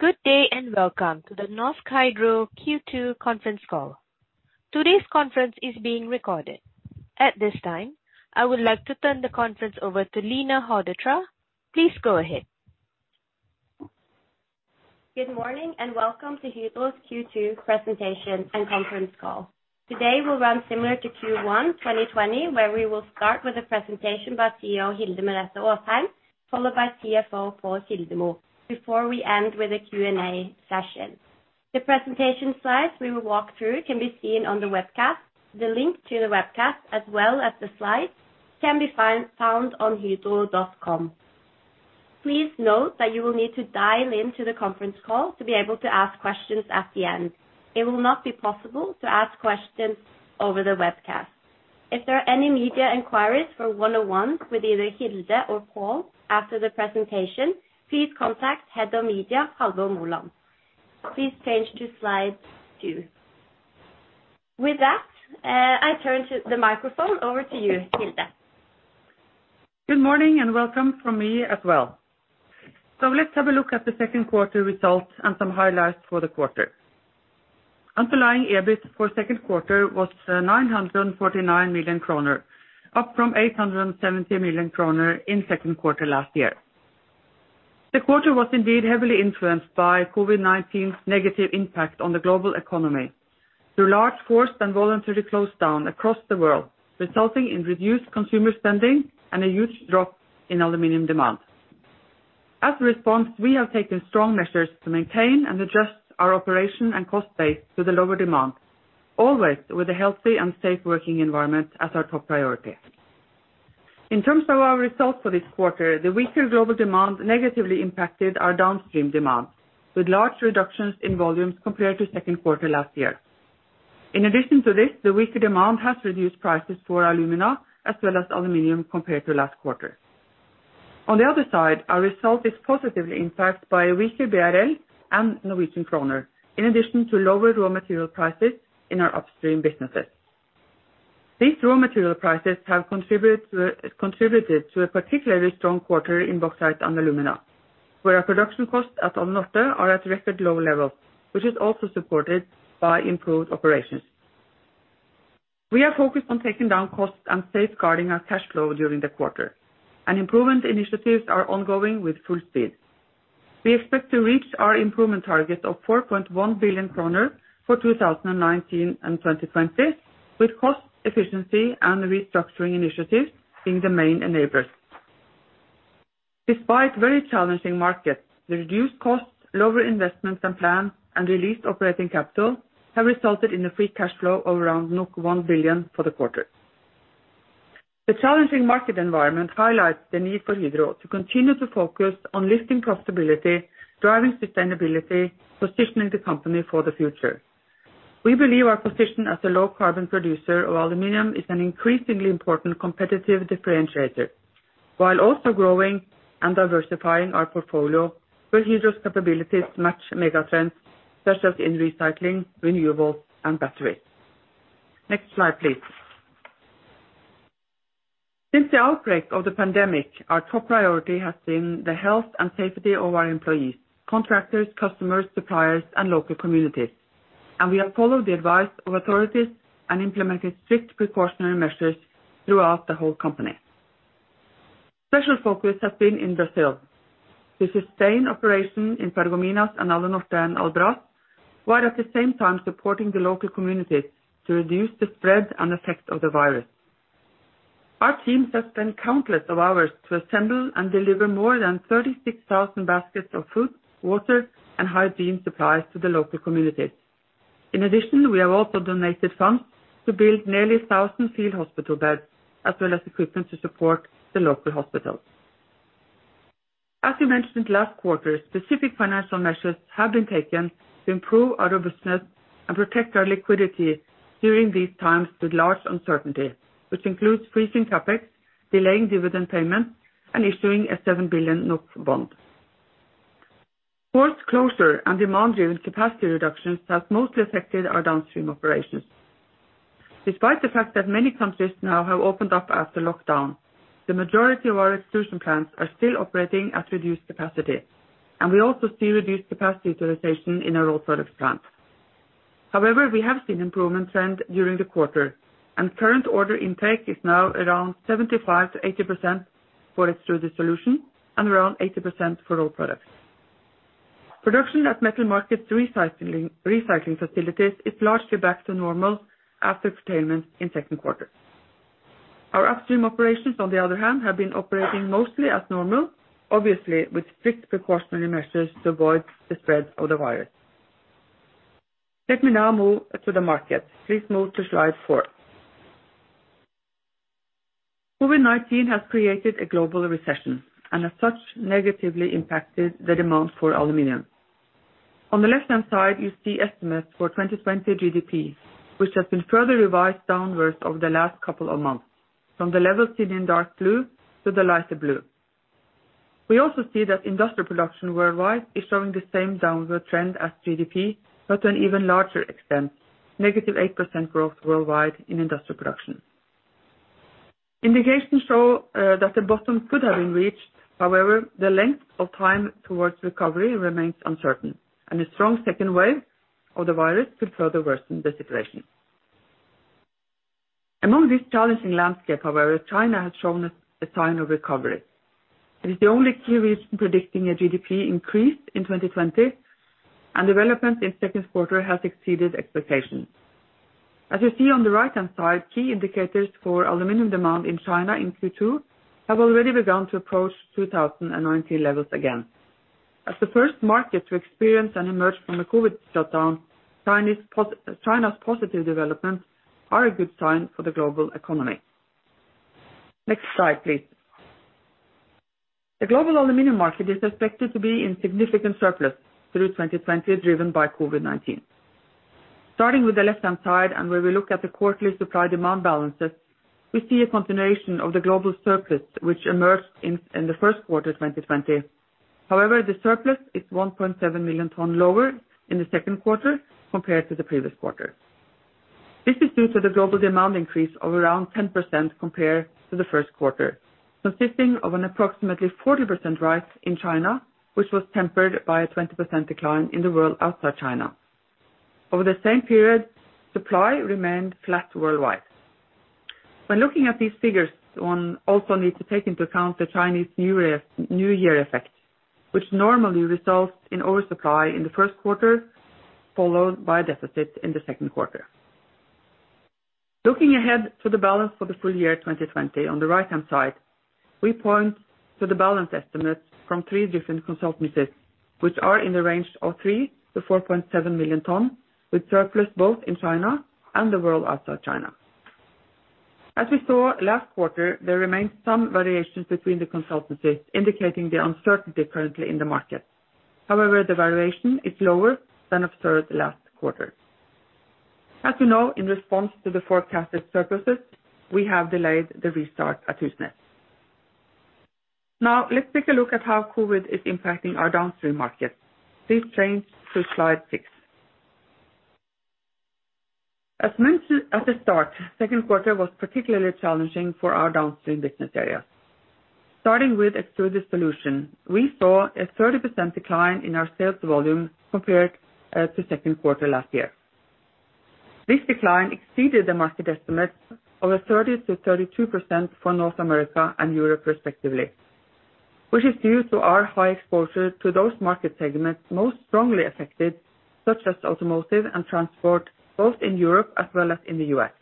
Good day. Welcome to the Norsk Hydro Q2 conference call. Today's conference is being recorded. At this time, I would like to turn the conference over to Line Haugetraa. Please go ahead. Good morning, welcome to Hydro's Q2 presentation and conference call. Today will run similar to Q1 2020, where we will start with a presentation by CEO Hilde Merete Aasheim, followed by CFO Pål Kildemo, before we end with a Q&A session. The presentation slides we will walk through can be seen on the webcast. The link to the webcast, as well as the slides, can be found on hydro.com. Please note that you will need to dial into the conference call to be able to ask questions at the end. It will not be possible to ask questions over the webcast. If there are any media inquiries for one-on-ones with either Hilde or Pål after the presentation, please contact Head of Media, Halvor Molland. Please change to slide two. With that, I turn the microphone over to you, Hilde. Good morning, welcome from me as well. Let's have a look at the second quarter results and some highlights for the quarter. Underlying EBIT for second quarter was 949 million kroner, up from 870 million kroner in second quarter last year. The quarter was indeed heavily influenced by COVID-19's negative impact on the global economy through large forced and voluntary closed down across the world, resulting in reduced consumer spending and a huge drop in aluminum demand. As a response, we have taken strong measures to maintain and adjust our operation and cost base to the lower demand, always with a healthy and safe working environment as our top priority. In terms of our results for this quarter, the weaker global demand negatively impacted our downstream demand, with large reductions in volumes compared to second quarter last year. In addition to this, the weaker demand has reduced prices for alumina as well as aluminum compared to last quarter. On the other side, our result is positively impacted by a weaker BRL and Norwegian kroner, in addition to lower raw material prices in our upstream businesses. These raw material prices have contributed to a particularly strong quarter in bauxite and alumina, where our production costs at Alunorte are at record low levels, which is also supported by improved operations. We are focused on taking down costs and safeguarding our cash flow during the quarter, and improvement initiatives are ongoing with full speed. We expect to reach our improvement targets of 4.1 billion kroner for 2019 and 2020, with cost efficiency and restructuring initiatives being the main enablers. Despite very challenging markets, the reduced costs, lower investments than planned, and released operating capital have resulted in a free cash flow of around 1 billion for the quarter. The challenging market environment highlights the need for Hydro to continue to focus on lifting profitability, driving sustainability, positioning the company for the future. We believe our position as a low-carbon producer of aluminum is an increasingly important competitive differentiator, while also growing and diversifying our portfolio where Hydro's capabilities match mega trends such as in recycling, renewables, and batteries. Next slide, please. Since the outbreak of the pandemic, our top priority has been the health and safety of our employees, contractors, customers, suppliers, and local communities, and we have followed the advice of authorities and implemented strict precautionary measures throughout the whole company. Special focus has been in Brazil to sustain operations in Paragominas and Alunorte and Albras, while at the same time supporting the local communities to reduce the spread and effect of the virus. Our teams have spent countless hours to assemble and deliver more than 36,000 baskets of food, water, and hygiene supplies to the local communities. In addition, we have also donated funds to build nearly 1,000 field hospital beds, as well as equipment to support the local hospitals. As we mentioned last quarter, specific financial measures have been taken to improve our robustness and protect our liquidity during these times with large uncertainty, which includes freezing CapEx, delaying dividend payment, and issuing a 7 billion NOK bond. Forced closure and demand-driven capacity reductions has mostly affected our downstream operations. Despite the fact that many countries now have opened up after lockdown, the majority of our extrusion plants are still operating at reduced capacity, and we also see reduced capacity utilization in our Rolled Products plants. We have seen improvement trend during the quarter, and current order intake is now around 75%-80% for Hydro Extruded Solutions and around 80% for Rolled Products. Production at Metal Markets' recycling facilities is largely back to normal after curtailment in second quarter. Our upstream operations, on the other hand, have been operating mostly as normal, obviously with strict precautionary measures to avoid the spread of the virus. Let me now move to the market. Please move to slide four. COVID-19 has created a global recession, and as such, negatively impacted the demand for aluminum. On the left-hand side, you see estimates for 2020 GDP, which has been further revised downwards over the last couple of months, from the level seen in dark blue to the lighter blue. We also see that industrial production worldwide is showing the same downward trend as GDP, but to an even larger extent, -8% growth worldwide in industrial production. Indications show that the bottom could have been reached. However, the length of time towards recovery remains uncertain, and a strong second wave of the virus could further worsen the situation. Among this challenging landscape, however, China has shown a sign of recovery. It is the only key region predicting a GDP increase in 2020, and development in second quarter has exceeded expectations. As you see on the right-hand side, key indicators for aluminum demand in China in Q2 have already begun to approach 2019 levels again. As the first market to experience and emerge from the COVID-19 shutdown, China's positive developments are a good sign for the global economy. Next slide, please. The global aluminum market is expected to be in significant surplus through 2020, driven by COVID-19. Starting with the left-hand side and where we look at the quarterly supply-demand balances, we see a continuation of the global surplus, which emerged in the first quarter 2020. However, the surplus is 1.7 million tons lower in the second quarter compared to the previous quarter. This is due to the global demand increase of around 10% compared to the first quarter, consisting of an approximately 40% rise in China, which was tempered by a 20% decline in the world outside China. Over the same period, supply remained flat worldwide. When looking at these figures, one also needs to take into account the Chinese New Year effect, which normally results in oversupply in the first quarter, followed by a deficit in the second quarter. Looking ahead to the balance for the full year 2020 on the right-hand side, we point to the balance estimates from three different consultancies, which are in the range of 3 million ton-4.7 million ton, with surplus both in China and the world outside China. As we saw last quarter, there remains some variations between the consultancies indicating the uncertainty currently in the market. However, the variation is lower than observed last quarter. As you know, in response to the forecasted surpluses, we have delayed the restart at Husnes. Let's take a look at how COVID is impacting our downstream market. Please change to Slide six. As mentioned at the start, second quarter was particularly challenging for our downstream business area. Starting with Extruded Solutions, we saw a 30% decline in our sales volume compared to second quarter last year. This decline exceeded the market estimates of a 30%-32% for North America and Europe respectively, which is due to our high exposure to those market segments most strongly affected, such as automotive and transport, both in Europe as well as in the U.S.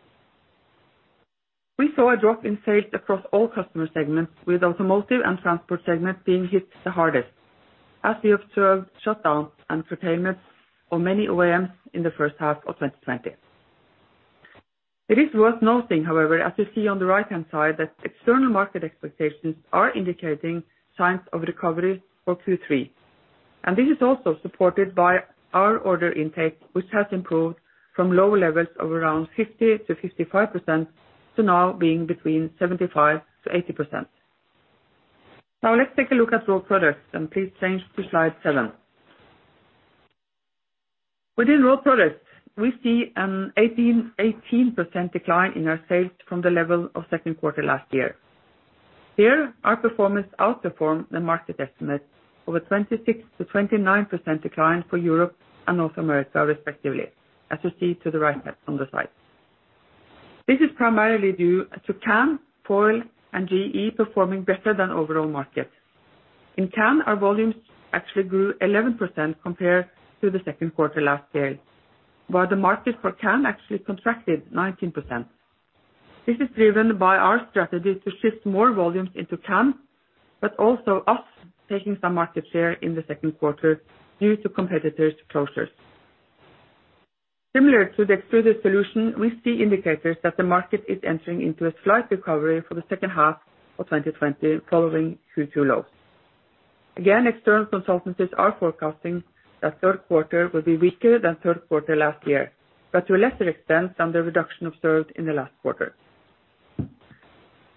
We saw a drop in sales across all customer segments, with automotive and transport segment being hit the hardest as we observed shutdowns and curtailments of many OEMs in the first half of 2020. It is worth noting, however, as you see on the right-hand side, that external market expectations are indicating signs of recovery for Q3. This is also supported by our order intake, which has improved from low levels of around 50% to 55%, to now being between 75% to 80%. Now let's take a look at Rolled Products, and please change to Slide seven. Within Rolled Products, we see an 18% decline in our sales from the level of second quarter last year. Here, our performance outperformed the market estimate of a 26% to 29% decline for Europe and North America respectively, as you see to the right on the slide. This is primarily due to can, foil, and general extrusion performing better than overall market. In can, our volumes actually grew 11% compared to the second quarter last year, while the market for can actually contracted 19%. This is driven by our strategy to shift more volumes into can, but also us taking some market share in the second quarter due to competitors' closures. Similar to the Extruded Solutions, we see indicators that the market is entering into a slight recovery for the second half of 2020 following Q2 lows. External consultancies are forecasting that third quarter will be weaker than third quarter last year, but to a lesser extent than the reduction observed in the last quarter.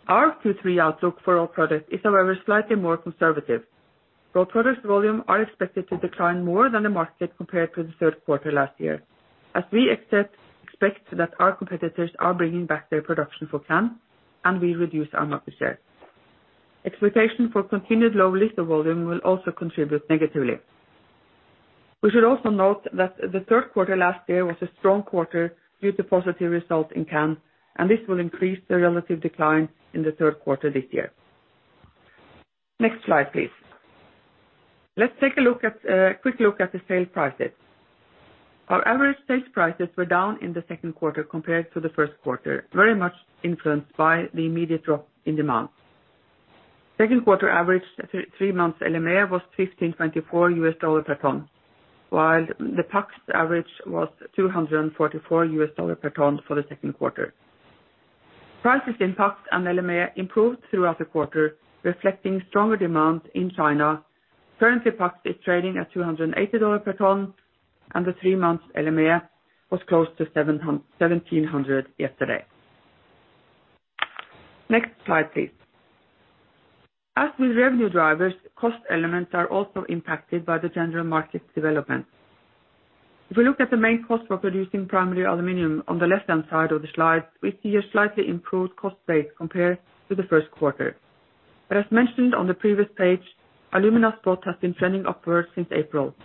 Our Q3 outlook for Rolled Products is, however, slightly more conservative. Rolled Products volume are expected to decline more than the market compared to the third quarter last year, as we expect that our competitors are bringing back their production for can and will reduce our market share. Expectation for continued low blister volume will also contribute negatively. We should also note that the third quarter last year was a strong quarter due to positive results in can, and this will increase the relative decline in the third quarter this year. Next slide, please. Let's take a quick look at the sale prices. Our average sales prices were down in the second quarter compared to the first quarter, very much influenced by the immediate drop in demand. Second quarter average three months LME was $1,524 per ton, while the PAX average was $244 per ton for the second quarter. Prices in PAX and LME improved throughout the quarter, reflecting stronger demand in China. Currently, PAX is trading at $280 per ton, and the three months LME was close to 1,700 yesterday. Next slide, please. As with revenue drivers, cost elements are also impacted by the general market development. If we look at the main cost for producing primary aluminium on the left-hand side of the slide, we see a slightly improved cost base compared to the first quarter. As mentioned on the previous page, alumina spot has been trending upwards since April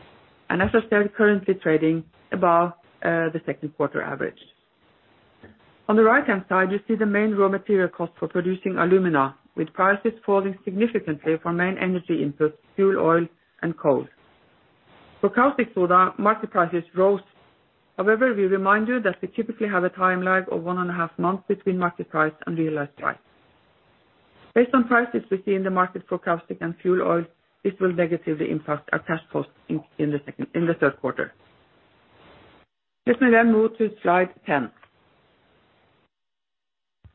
and as I said, currently trading above the second quarter average. On the right-hand side, you see the main raw material cost for producing alumina, with prices falling significantly for main energy inputs, fuel oil, and coal. For caustic soda, market prices rose. However, we remind you that we typically have a time lag of one and a half months between market price and realized price. Based on prices we see in the market for caustic and fuel oil, this will negatively impact our cash costs in the third quarter. Let me then move to slide 10.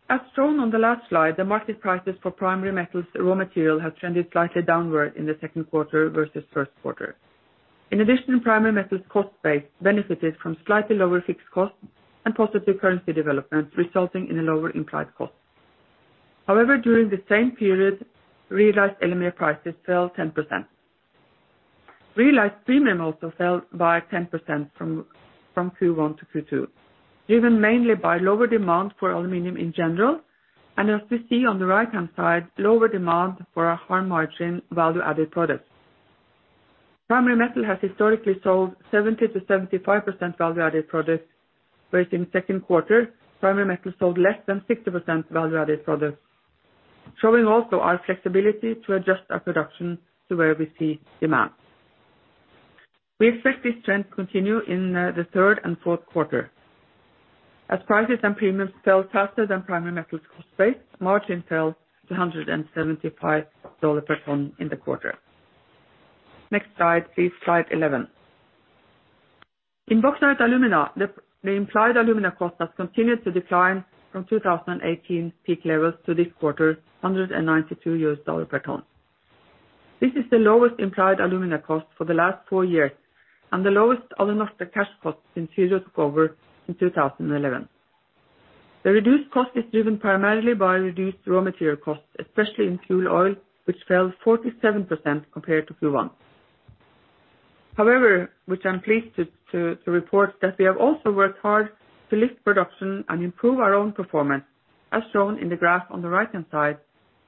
As shown on the last slide, the market prices for Primary Metals raw material has trended slightly downward in the second quarter versus first quarter. In addition, Primary Metals cost base benefited from slightly lower fixed costs and positive currency developments, resulting in a lower implied cost. During the same period, realized alumina prices fell 10%. Realized premium also fell by 10% from Q1 to Q2, driven mainly by lower demand for aluminium in general, and as we see on the right-hand side, lower demand for our high-margin value-added products. Primary Metal has historically sold 70%-75% value-added products, whereas in the second quarter, Primary Metal sold less than 60% value-added products, showing also our flexibility to adjust our production to where we see demand. We expect this trend to continue in the third and fourth quarter. As prices and premiums fell faster than Primary Metal cost base, margin fell to $175 per ton in the quarter. Next slide, please. Slide 11. In Bauxite & Alumina, the implied alumina cost has continued to decline from 2018 peak levels to this quarter, $192 per ton. This is the lowest implied alumina cost for the last four years and the lowest Alunorte cash cost since Hydro took over in 2011. The reduced cost is driven primarily by reduced raw material costs, especially in fuel oil, which fell 47% compared to Q1. Which I'm pleased to report, that we have also worked hard to lift production and improve our own performance, as shown in the graph on the right-hand side,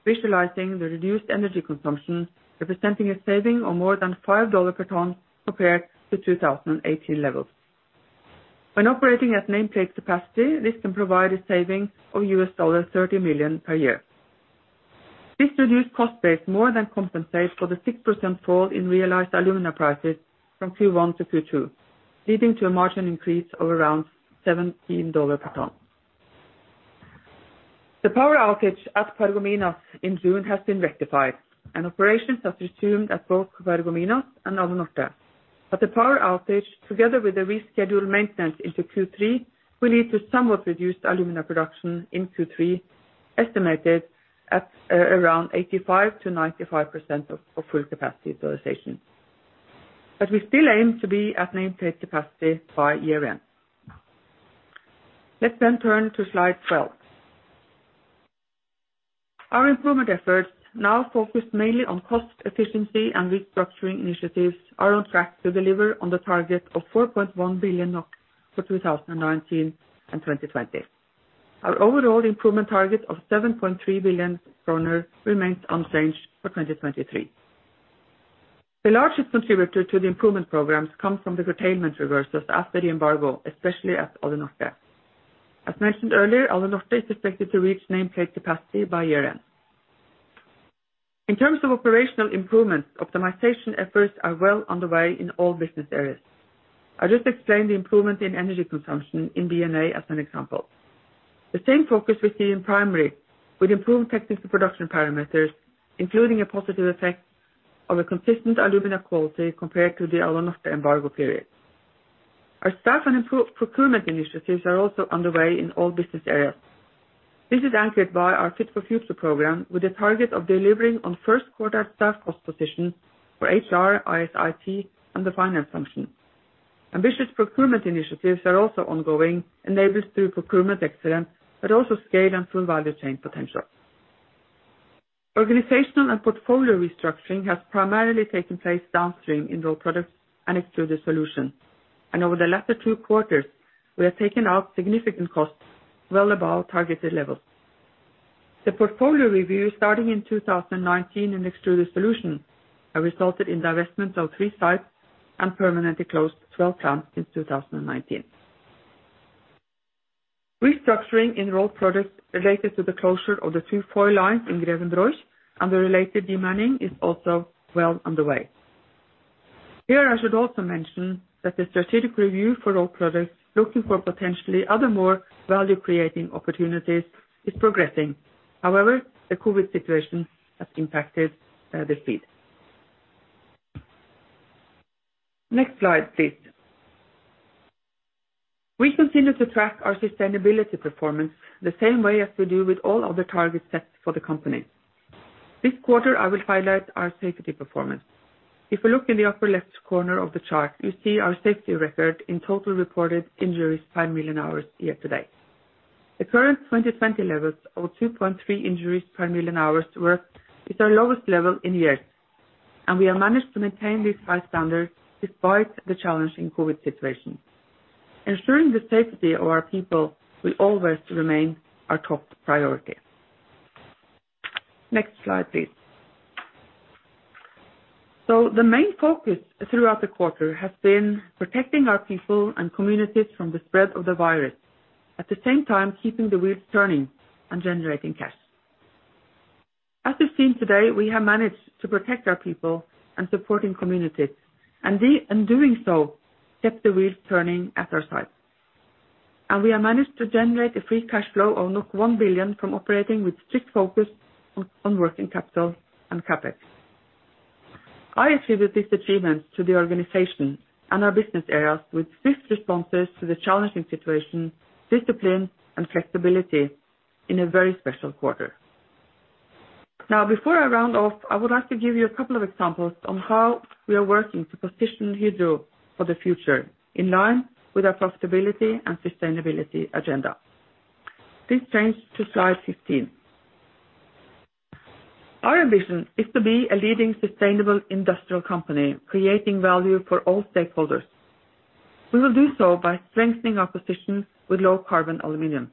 visualizing the reduced energy consumption, representing a saving of more than $5 per ton compared to 2018 levels. When operating at nameplate capacity, this can provide a saving of $30 million per year. This reduced cost base more than compensates for the 6% fall in realized alumina prices from Q1 to Q2, leading to a margin increase of around $17 per ton. The power outage at Paragominas in June has been rectified, and operations have resumed at both Paragominas and Alunorte. The power outage, together with the rescheduled maintenance into Q3, will lead to somewhat reduced alumina production in Q3, estimated at around 85%-95% of full capacity utilization. We still aim to be at nameplate capacity by year-end. Let's turn to slide 12. Our improvement efforts now focus mainly on cost efficiency and restructuring initiatives are on track to deliver on the target of 4.1 billion NOK for 2019 and 2020. Our overall improvement target of 7.3 billion kroner remains unchanged for 2023. The largest contributor to the improvement programs comes from the curtailment reversals after the embargo, especially at Alunorte. As mentioned earlier, Alunorte is expected to reach nameplate capacity by year-end. In terms of operational improvements, optimization efforts are well underway in all business areas. I just explained the improvement in energy consumption in B&A as an example. The same focus we see in Primary, with improved technical production parameters, including a positive effect of a consistent alumina quality compared to the Alunorte embargo period. Our staff and procurement initiatives are also underway in all business areas. This is anchored by our Fit for Future program with the target of delivering on first quarter staff cost positions for HR, IS/IT, and the finance function. Ambitious procurement initiatives are also ongoing, enabled through procurement excellence, but also scale and full value chain potential. Organizational and portfolio restructuring has primarily taken place downstream in Rolled Products and Extruded Solutions. Over the latter two quarters, we have taken out significant costs well above targeted levels. The portfolio review starting in 2019 in Extruded Solutions has resulted in the divestment of three sites and permanently closed 12 plants in 2019. Restructuring in Rolled Products related to the closure of the two foil lines in Grevenbroich and the related dismantling is also well underway. Here, I should also mention that the strategic review for Rolled Products, looking for potentially other more value-creating opportunities, is progressing. However, the COVID situation has impacted the speed. Next slide, please. We continue to track our sustainability performance the same way as we do with all other target sets for the company. This quarter, I will highlight our safety performance. If you look in the upper left corner of the chart, you see our safety record in total reported injuries by million hours year to date. The current 2020 levels of 2.3 injuries per million hours worked is our lowest level in years, and we have managed to maintain this high standard despite the challenging COVID-19 situation. Ensuring the safety of our people will always remain our top priority. Next slide, please. The main focus throughout the quarter has been protecting our people and communities from the spread of the virus, at the same time keeping the wheels turning and generating cash. As we've seen today, we have managed to protect our people and supporting communities, and in doing so, kept the wheels turning at our sites. We have managed to generate a free cash flow of 1 billion from operating with strict focus on working capital and CapEx. I attribute this achievement to the organization and our business areas with swift responses to the challenging situation, discipline, and flexibility in a very special quarter. Before I round off, I would like to give you a couple of examples on how we are working to position Hydro for the future in line with our profitability and sustainability agenda. Please change to slide 15. Our vision is to be a leading sustainable industrial company, creating value for all stakeholders. We will do so by strengthening our position with low carbon aluminum.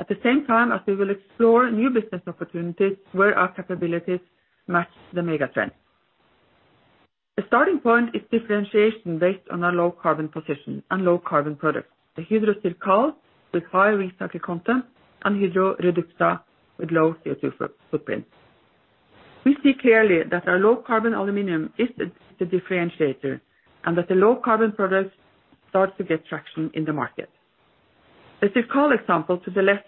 At the same time as we will explore new business opportunities where our capabilities match the mega trends. The starting point is differentiation based on our low carbon position and low carbon products, the Hydro CIRCAL with high recycled content and Hydro REDUXA with low CO2 footprint. We see clearly that our low carbon aluminum is the differentiator and that the low carbon products start to get traction in the market. The CIRCAL example to the left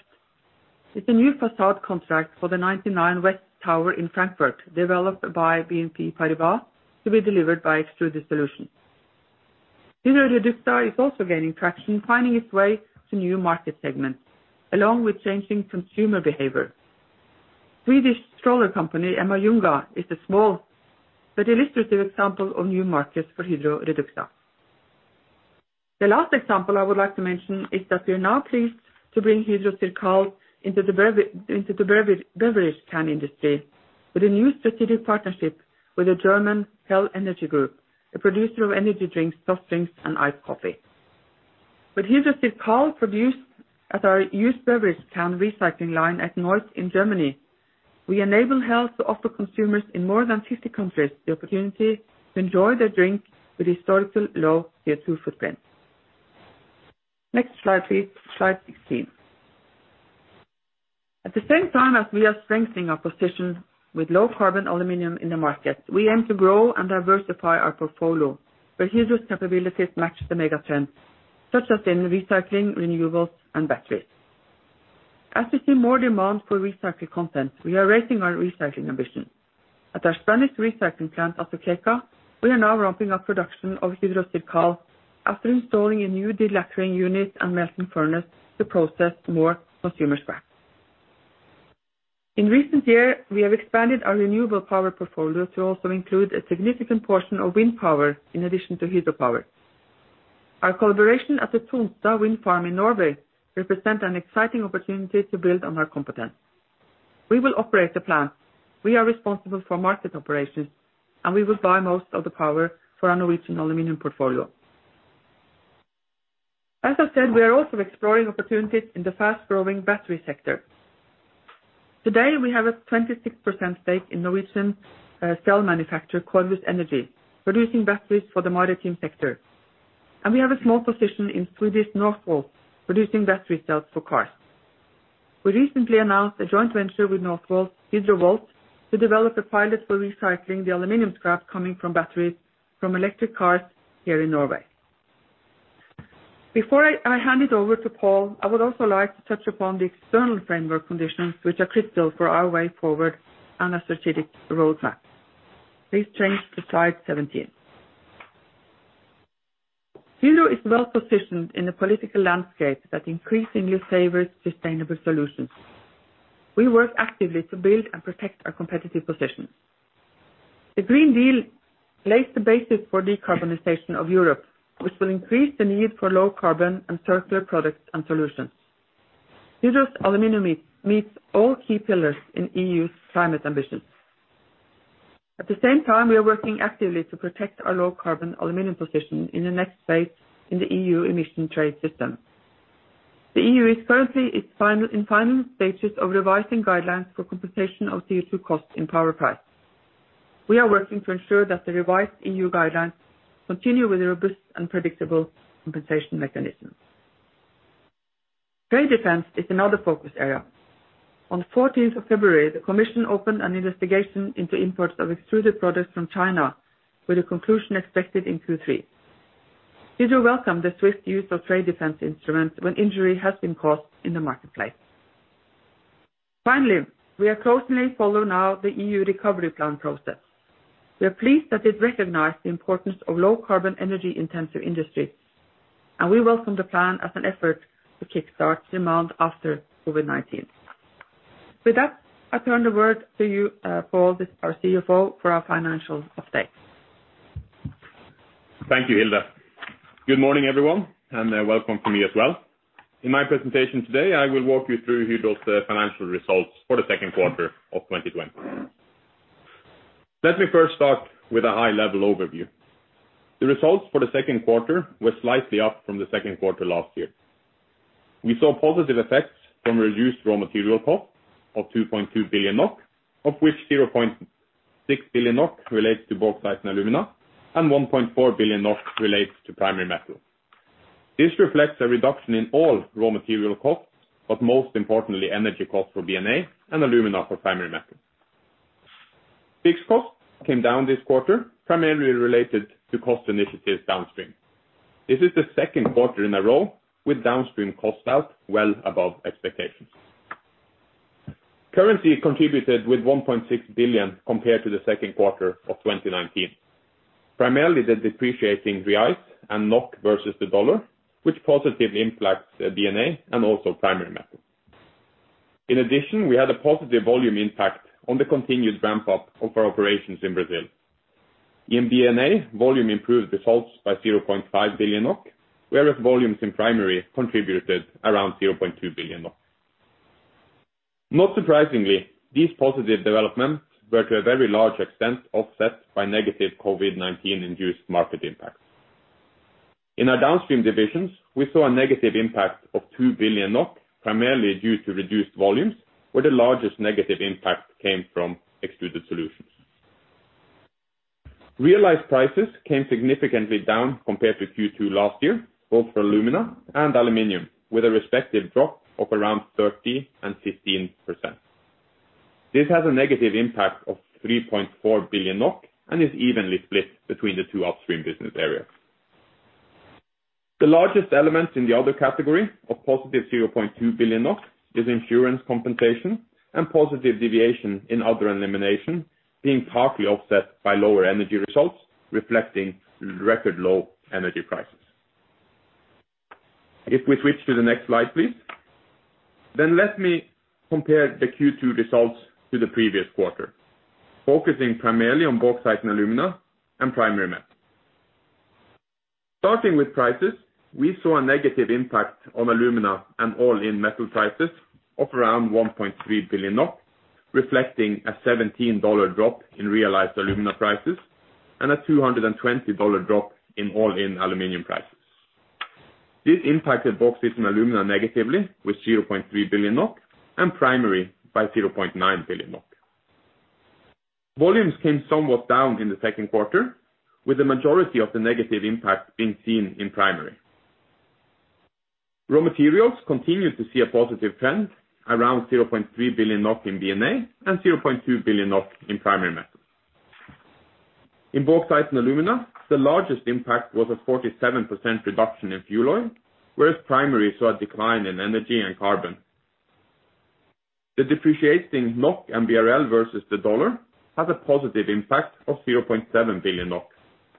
is a new facade contract for the 99 West Tower in Frankfurt, developed by BNP Paribas to be delivered by Extruded Solutions. Hydro REDUXA is also gaining traction, finding its way to new market segments, along with changing consumer behavior. Swedish stroller company, Emmaljunga, is a small but illustrative example of new markets for Hydro REDUXA. The last example I would like to mention is that we are now pleased to bring Hydro CIRCAL into the beverage can industry with a new strategic partnership with the German HELL ENERGY Group, a producer of energy drinks, soft drinks, and iced coffee. With Hydro CIRCAL produced at our used beverage can recycling line at Neuss in Germany, we enable HELL to offer consumers in more than 50 countries the opportunity to enjoy their drink with historical low-CO2 footprint. Next slide, please. Slide 16. At the same time as we are strengthening our position with low-carbon aluminum in the market, we aim to grow and diversify our portfolio where Hydro's capabilities match the megatrends, such as in recycling, renewables, and batteries. As we see more demand for recycled content, we are raising our recycling ambition. At our Spanish recycling plant at [Alcarràs], we are now ramping up production of Hydro CIRCAL after installing a new delacquering unit and melting furnace to process more consumer scrap. In recent years, we have expanded our renewable power portfolio to also include a significant portion of wind power in addition to hydropower. Our collaboration at the Tonstad wind farm in Norway represents an exciting opportunity to build on our competence. We will operate the plant. We are responsible for market operations, we will buy most of the power for our Norwegian aluminum portfolio. As I said, we are also exploring opportunities in the fast-growing battery sector. Today, we have a 26% stake in Norwegian cell manufacturer, Corvus Energy, producing batteries for the maritime sector. We have a small position in Swedish Northvolt, producing battery cells for cars. We recently announced a joint venture with Northvolt, Hydrovolt, to develop a pilot for recycling the aluminum scrap coming from batteries from electric cars here in Norway. Before I hand it over to Pål, I would also like to touch upon the external framework conditions which are critical for our way forward and our strategic roadmap. Please change to slide 17. Hydro is well-positioned in the political landscape that increasingly favors sustainable solutions. We work actively to build and protect our competitive position. The European Green Deal lays the basis for decarbonization of Europe, which will increase the need for low carbon and circular products and solutions. Hydro's aluminum meets all key pillars in EU's climate ambitions. At the same time, we are working actively to protect our low carbon aluminum position in the next phase in the EU Emissions Trading System. The EU is currently in final stages of revising guidelines for computation of CO2 costs in power price. We are working to ensure that the revised EU guidelines continue with a robust and predictable compensation mechanism. Trade defense is another focus area. On the 14th of February, the commission opened an investigation into imports of extruded products from China with a conclusion expected in Q3. Hydro welcomed the swift use of trade defense instruments when injury has been caused in the marketplace. We are closely following now the EU recovery plan process. We are pleased that it recognized the importance of low carbon energy-intensive industry, and we welcome the plan as an effort to kickstart demand after COVID-19. With that, I turn the word to you, Paul, our CFO, for our financial update. Thank you, Hilde. Good morning, everyone, and welcome to me as well. In my presentation today, I will walk you through Hydro's financial results for the second quarter of 2020. Let me first start with a high-level overview. The results for the second quarter were slightly up from the second quarter last year. We saw positive effects from reduced raw material costs of 2.2 billion NOK, of which 0.6 billion NOK relates to Bauxite & Alumina and 1.4 billion NOK relates to Primary Metal. This reflects a reduction in all raw material costs, but most importantly, energy costs for B&A and alumina for Primary Metal. Fixed costs came down this quarter, primarily related to cost initiatives downstream. This is the second quarter in a row with downstream costs out well above expectations. Currency contributed with 1.6 billion compared to the second quarter of 2019. Primarily, the depreciating reais and NOK versus the dollar, which positively impacts B&A and also Primary Metal. In addition, we had a positive volume impact on the continued ramp-up of our operations in Brazil. In B&A, volume improved results by 0.5 billion NOK, whereas volumes in Primary contributed around 0.2 billion NOK. Not surprisingly, these positive developments were to a very large extent offset by negative COVID-19-induced market impacts. In our downstream divisions, we saw a negative impact of 2 billion NOK, primarily due to reduced volumes, where the largest negative impact came from Extruded Solutions. Realized prices came significantly down compared with Q2 last year, both for alumina and aluminum, with a respective drop of around 30% and 15%. This has a negative impact of 3.4 billion NOK and is evenly split between the two upstream business areas. The largest elements in the other category of positive 0.2 billion NOK is insurance compensation and positive deviation in other elimination being partly offset by lower Energy results, reflecting record low energy prices. If we switch to the next slide, please. Let me compare the Q2 results to the previous quarter, focusing primarily on Bauxite & Alumina and Primary Metal. Starting with prices, we saw a negative impact on alumina and all-in metal prices of around 1.3 billion, reflecting a $17 drop in realized alumina prices and a $220 drop in all-in aluminum prices. This impacted Bauxite & Alumina negatively with 0.3 billion NOK and Primary by 0.9 billion NOK. Volumes came somewhat down in the second quarter, with the majority of the negative impact being seen in Primary. Raw materials continued to see a positive trend around 0.3 billion NOK in B&A and 0.2 billion NOK in Primary Metal. In Bauxite & Alumina, the largest impact was a 47% reduction in fuel oil, whereas Primary Metal saw a decline in energy and carbon. The depreciating NOK and BRL versus the USD has a positive impact of 0.7 billion NOK,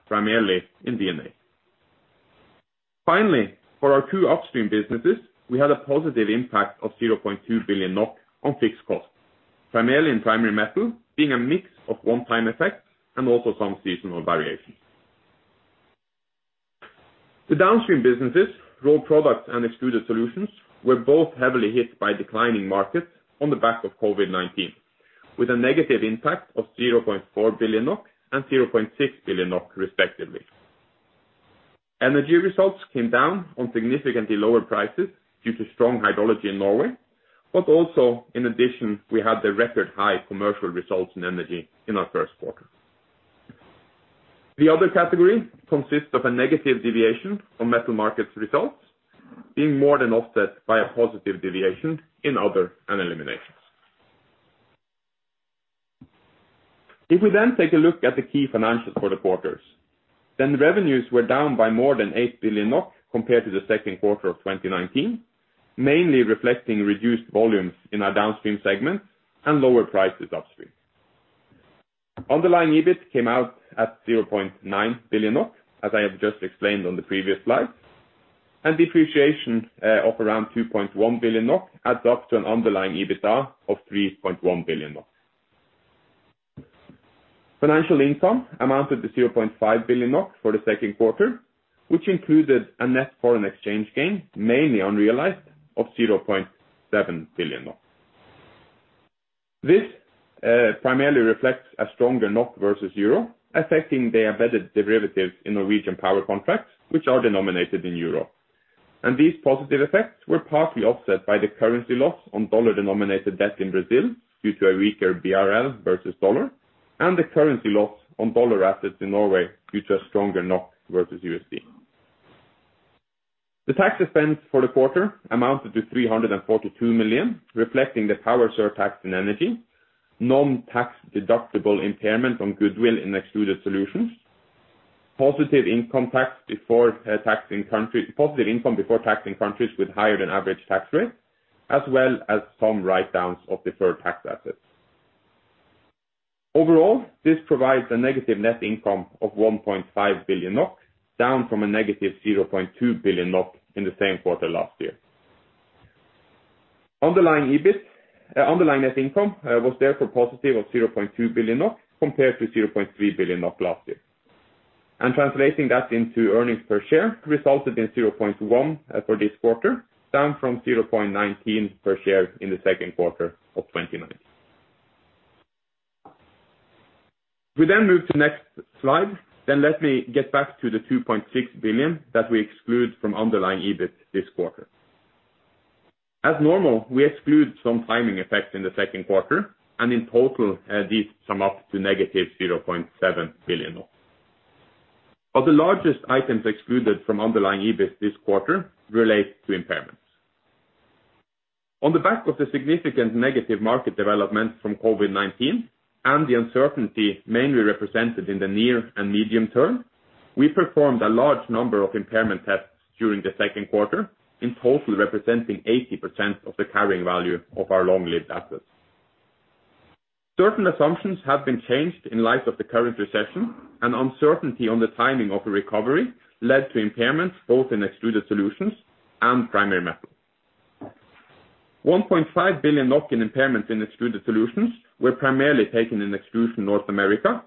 primarily in B&A. Finally, for our two upstream businesses, we had a positive impact of 0.2 billion NOK on fixed costs, primarily in Primary Metal, being a mix of one-time effects and also some seasonal variations. The downstream businesses, Rolled Products and Extruded Solutions, were both heavily hit by declining markets on the back of COVID-19, with a negative impact of 0.4 billion NOK and 0.6 billion NOK, respectively. Energy results came down on significantly lower prices due to strong hydrology in Norway. Also in addition, we had the record high commercial results in Energy in our first quarter. The other category consists of a negative deviation on Metal Markets results being more than offset by a positive deviation in other and eliminations. We then take a look at the key financials for the quarters. The revenues were down by more than 8 billion NOK compared to the second quarter of 2019, mainly reflecting reduced volumes in our downstream segment and lower prices upstream. Underlying EBIT came out at 0.9 billion, as I have just explained on the previous slide. Depreciation of around 2.1 billion NOK adds up to an underlying EBITDA of 3.1 billion NOK. Financial income amounted to 0.5 billion NOK for the second quarter, which included a net foreign exchange gain, mainly unrealized, of 0.7 billion. This primarily reflects a stronger NOK versus EUR, affecting the embedded derivatives in Norwegian power contracts, which are denominated in EUR. These positive effects were partly offset by the currency loss on USD-denominated debt in Brazil due to a weaker BRL versus USD and the currency loss on USD assets in Norway due to a stronger NOK versus USD. The tax expense for the quarter amounted to 342 million, reflecting the power surtax in Energy, non-tax-deductible impairment from goodwill in Extruded Solutions, positive income before tax in countries with higher than average tax rates, as well as some write-downs of deferred tax assets. Overall, this provides a negative net income of 1.5 billion NOK, down from a negative 0.2 billion NOK in the same quarter last year. Underlying net income was therefore positive of 0.2 billion NOK compared to 0.3 billion NOK last year. Translating that into earnings per share resulted in 0.1 for this quarter, down from 0.19 per share in the second quarter of 2019. We then move to next slide, then let me get back to the 2.6 billion that we exclude from underlying EBIT this quarter. As normal, we exclude some timing effects in the second quarter, and in total, these sum up to negative 0.7 billion. The largest items excluded from underlying EBIT this quarter relate to impairments. On the back of the significant negative market development from COVID-19 and the uncertainty mainly represented in the near and medium term, we performed a large number of impairment tests during the second quarter, in total representing 80% of the carrying value of our long-lived assets. Certain assumptions have been changed in light of the current recession, and uncertainty on the timing of a recovery led to impairments both in Extruded Solutions and Primary Metal. 1.5 billion NOK in impairment in Extruded Solutions were primarily taken in Extrusion North America,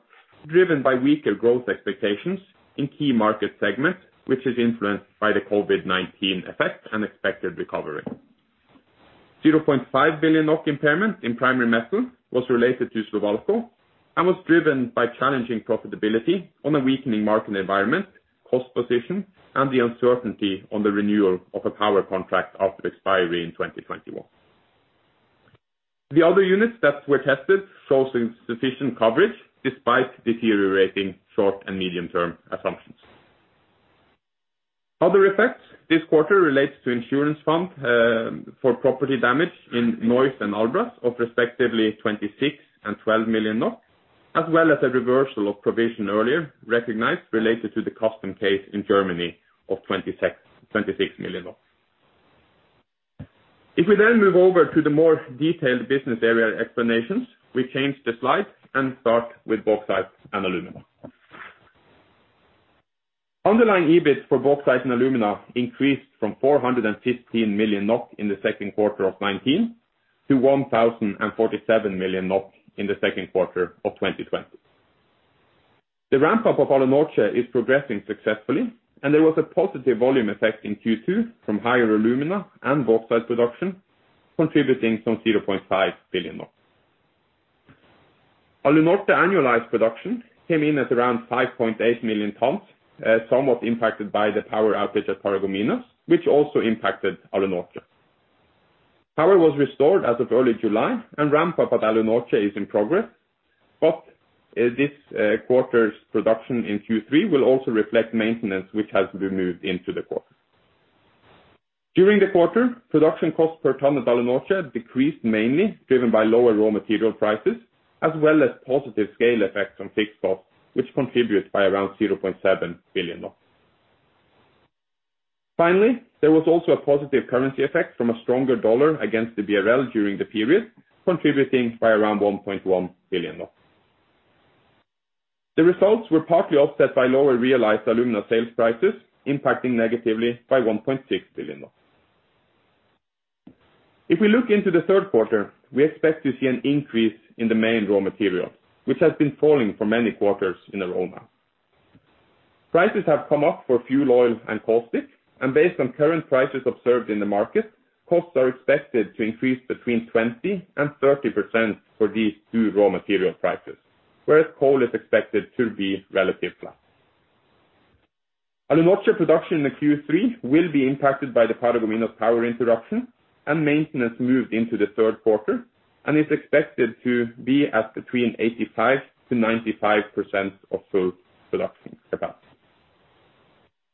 driven by weaker growth expectations in key market segments, which is influenced by the COVID-19 effect and expected recovery. 0.5 billion NOK impairment in Primary Metal was related to Slovalco and was driven by challenging profitability on a weakening market environment, cost position, and the uncertainty on the renewal of a power contract after expiry in 2021. The other units that were tested shows sufficient coverage despite deteriorating short and medium term assumptions. Other effects this quarter relates to insurance fund, for property damage in Neuss and Albras of respectively 26 million and 12 million, as well as a reversal of provision earlier recognized related to the customs case in Germany of NOK 26 million. If we move over to the more detailed business area explanations, we change the slide and start with Bauxite & Alumina. Underlying EBIT for Bauxite & Alumina increased from 415 million NOK in the second quarter of 2019 to 1,047 million NOK in the second quarter of 2020. The ramp-up of Alunorte is progressing successfully, and there was a positive volume effect in Q2 from higher alumina and bauxite production, contributing some 0.5 billion NOK. Alunorte annualized production came in at around 5.8 million tonnes, somewhat impacted by the power outage at Paragominas, which also impacted Alunorte. Power was restored as of early July and ramp-up at Alunorte is in progress, this quarter's production in Q3 will also reflect maintenance which has been moved into the quarter. During the quarter, production cost per tonne at Alunorte decreased, mainly driven by lower raw material prices as well as positive scale effects on fixed cost, which contributes by around NOK 0.7 billion. There was also a positive currency effect from a stronger dollar against the BRL during the period, contributing by around NOK 1.1 billion. The results were partly offset by lower realized alumina sales prices, impacting negatively by NOK 1.6 billion. If we look into the third quarter, we expect to see an increase in the main raw material, which has been falling for many quarters in a row now. Prices have come up for fuel, oil, and caustic. Based on current prices observed in the market, costs are expected to increase between 20% and 30% for these two raw material prices, whereas coal is expected to be relatively flat. Alunorte production in the Q3 will be impacted by the Paragominas power interruption and maintenance moved into the third quarter and is expected to be at between 85%-95% of full production capacity.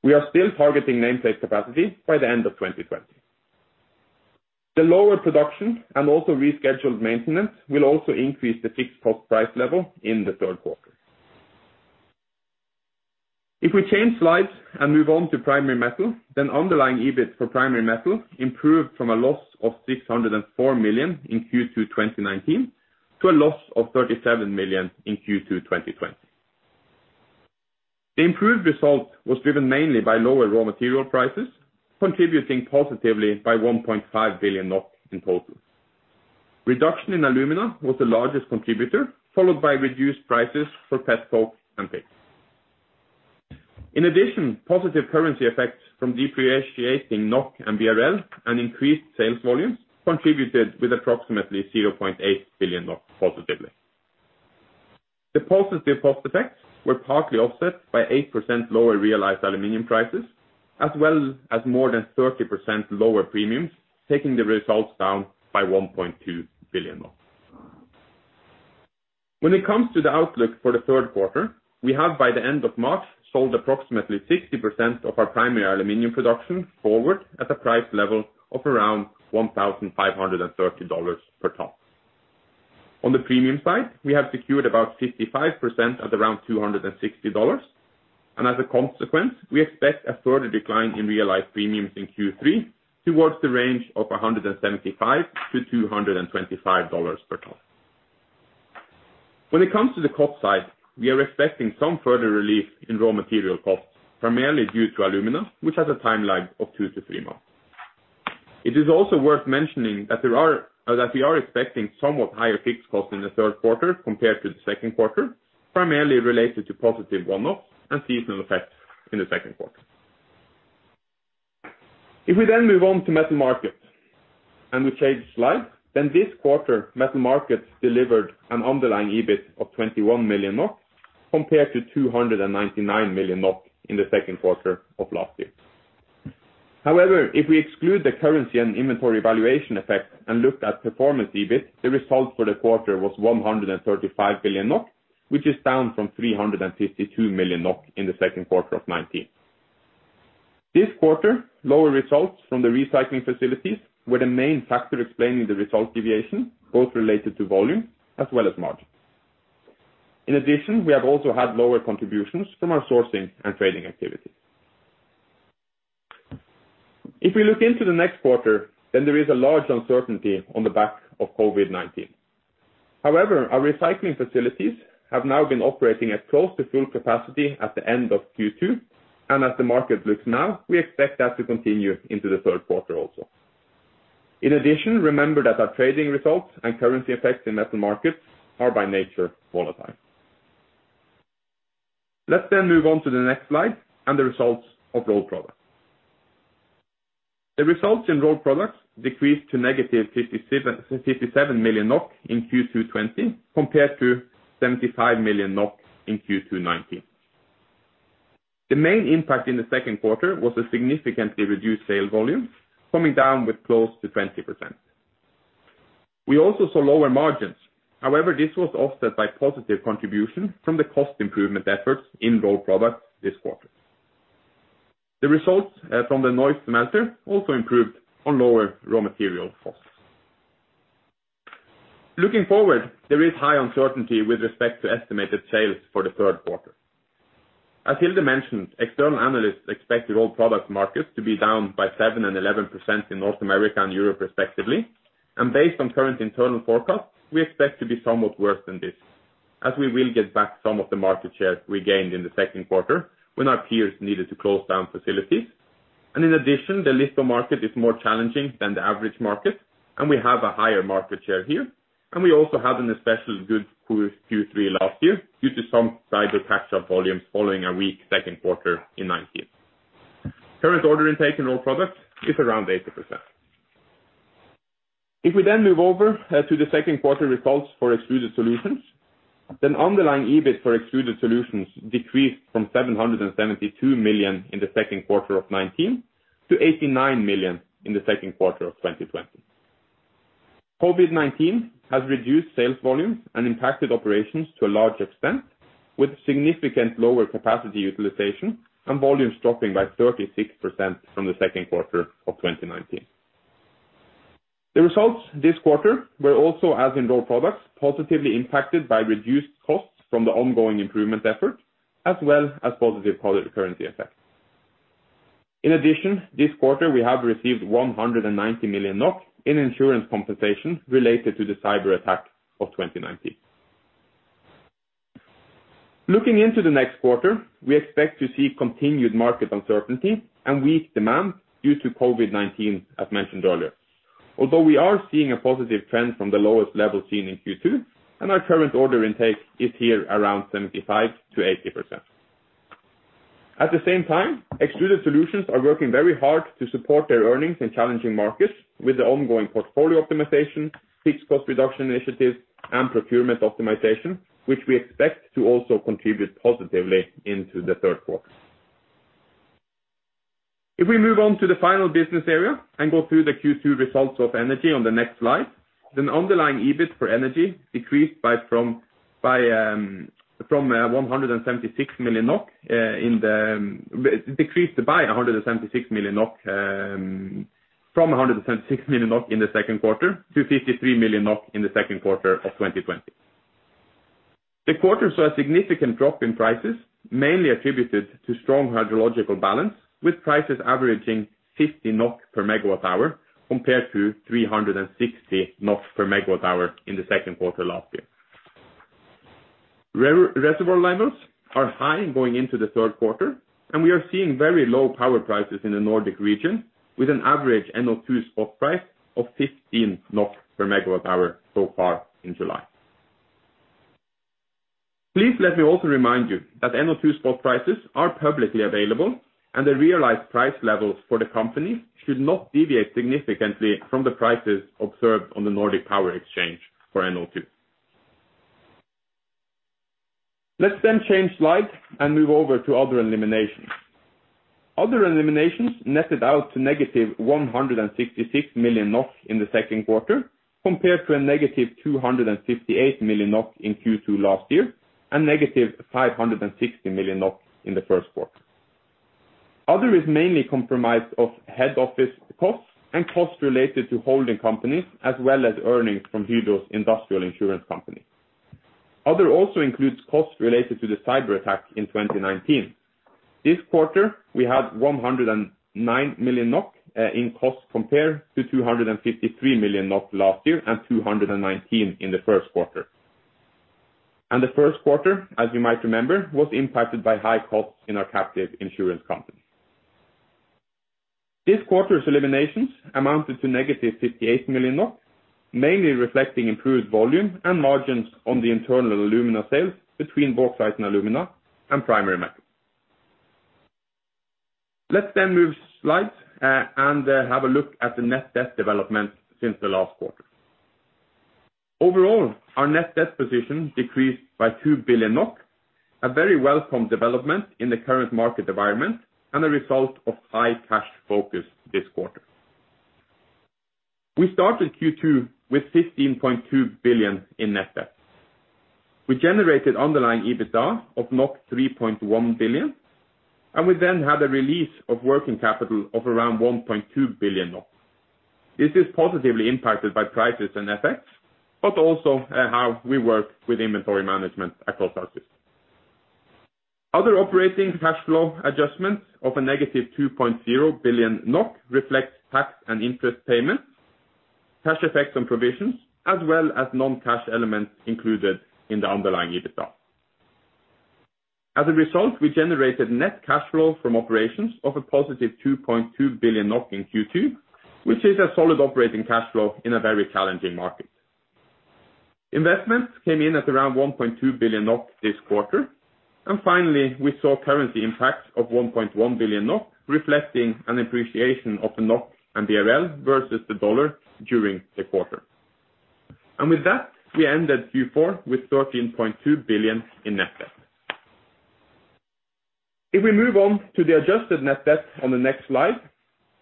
We are still targeting nameplate capacity by the end of 2020. The lower production and also rescheduled maintenance will also increase the fixed cost price level in the third quarter. If we change slides and move on to Primary Metal, underlying EBIT for Primary Metal improved from a loss of 604 million in Q2 2019 to a loss of 37 million in Q2 2020. The improved result was driven mainly by lower raw material prices, contributing positively by 1.5 billion in total. Reduction in alumina was the largest contributor, followed by reduced prices for coke and pitch. In addition, positive currency effects from depreciating NOK and BRL and increased sales volumes contributed with approximately 0.8 billion NOK positively. The positive cost effects were partly offset by 8% lower realized aluminum prices, as well as more than 30% lower premiums, taking the results down by 1.2 billion. When it comes to the outlook for the third quarter, we have by the end of March, sold approximately 60% of our primary aluminum production forward at a price level of around $1,530 per tonne. On the premium side, we have secured about 55% at around $260. As a consequence, we expect a further decline in realized premiums in Q3 towards the range of $175-$225 per tonne. When it comes to the cost side, we are expecting some further relief in raw material costs, primarily due to alumina, which has a timeline of two to three months. It is also worth mentioning that we are expecting somewhat higher fixed costs in the third quarter compared to the second quarter, primarily related to positive one-offs and seasonal effects in the second quarter. If we move on to Metal Markets and we change slide, this quarter, Metal Markets delivered an underlying EBIT of 21 million NOK compared to 299 million NOK in the second quarter of last year. If we exclude the currency and inventory valuation effect and look at performance EBIT, the result for the quarter was 135 million NOK, which is down from 352 million NOK in the second quarter of 2019. This quarter, lower results from the recycling facilities were the main factor explaining the result deviation, both related to volume as well as margin. In addition, we have also had lower contributions from our sourcing and trading activities. If we look into the next quarter, then there is a large uncertainty on the back of COVID-19. However, our recycling facilities have now been operating at close to full capacity at the end of Q2, and as the market looks now, we expect that to continue into the third quarter also. In addition, remember that our trading results and currency effects in Metal Markets are by nature volatile. Let's then move on to the next slide and the results of Rolled Products. The results in Rolled Products decreased to negative 57 million NOK in Q2 2020, compared to 75 million NOK in Q2 2019. The main impact in the second quarter was a significantly reduced sale volume, coming down with close to 20%. We also saw lower margins. However, this was offset by positive contribution from the cost improvement efforts in Rolled Products this quarter. The results from the Neuss smelter also improved on lower raw material costs. Looking forward, there is high uncertainty with respect to estimated sales for the third quarter. As Hilde mentioned, external analysts expect the Rolled Products markets to be down by 7% and 11% in North America and Europe respectively, and based on current internal forecasts, we expect to be somewhat worse than this, as we will get back some of the market share we gained in the second quarter when our peers needed to close down facilities. In addition, the litho market is more challenging than the average market, and we have a higher market share here. We also had an especially good Q3 last year due to some cyber catch-up volumes following a weak second quarter in 2019. Current order intake in Rolled Products is around 80%. If we move over to the second quarter results for Extruded Solutions, underlying EBIT for Extruded Solutions decreased from 772 million in the second quarter of 2019 to 89 million in the second quarter of 2020. COVID-19 has reduced sales volumes and impacted operations to a large extent, with significant lower capacity utilization and volumes dropping by 36% from the second quarter of 2019. The results this quarter were also, as in Rolled Products, positively impacted by reduced costs from the ongoing improvement effort, as well as positive currency effects. In addition, this quarter, we have received 190 million NOK in insurance compensation related to the cyberattack of 2019. Looking into the next quarter, we expect to see continued market uncertainty and weak demand due to COVID-19, as mentioned earlier. Although we are seeing a positive trend from the lowest level seen in Q2, and our current order intake is here around 75%-80%. At the same time, Extruded Solutions are working very hard to support their earnings in challenging markets with the ongoing portfolio optimization, fixed cost reduction initiatives, and procurement optimization, which we expect to also contribute positively into the third quarter. If we move on to the final business area and go through the Q2 results of Energy on the next slide, underlying EBIT for Energy decreased by from 176 million NOK in the second quarter to 53 million NOK in the second quarter of 2020. The quarter saw a significant drop in prices, mainly attributed to strong hydrological balance, with prices averaging 50 NOK per megawatt hour compared to 360 NOK per megawatt hour in the second quarter last year. Reservoir levels are high going into the third quarter, and we are seeing very low power prices in the Nordic region, with an average NO2 spot price of 15 NOK per megawatt hour so far in July. Please let me also remind you that NO2 spot prices are publicly available, and the realized price levels for the company should not deviate significantly from the prices observed on the Nordic power exchange for NO2. Let's then change slide and move over to Other and Eliminations. Other and Eliminations netted out to negative 166 million NOK in the second quarter, compared to a negative 258 million NOK in Q2 last year and negative 560 million NOK in the first quarter. Other is mainly comprised of head office costs and costs related to holding companies, as well as earnings from Hydro's industrial insurance company. Other also includes costs related to the cyberattack in 2019. This quarter, we had 109 million NOK in cost compared to 253 million NOK last year and 219 million NOK in the first quarter. The first quarter, as you might remember, was impacted by high costs in our captive insurance company. This quarter's eliminations amounted to negative 58 million NOK, mainly reflecting improved volume and margins on the internal alumina sales between Bauxite & Alumina and Primary Metal. Let's move slides and have a look at the net debt development since the last quarter. Overall, our net debt position decreased by 2 billion NOK, a very welcome development in the current market environment and a result of high cash focus this quarter. We started Q2 with 15.2 billion NOK in net debt. We generated underlying EBITDA of 3.1 billion. We then had a release of working capital of around 1.2 billion NOK. This is positively impacted by prices and effects, but also how we work with inventory management across our system. Other operating cash flow adjustments of a negative 2.0 billion NOK reflects tax and interest payments, cash effects and provisions, as well as non-cash elements included in the underlying EBITDA. As a result, we generated net cash flow from operations of a positive 2.2 billion NOK in Q2, which is a solid operating cash flow in a very challenging market. Investments came in at around 1.2 billion NOK this quarter. Finally, we saw currency impact of 1.1 billion NOK, reflecting an appreciation of the NOK and BRL versus the dollar during the quarter. With that, we ended Q4 with 13.2 billion in net debt. If we move on to the adjusted net debt on the next slide,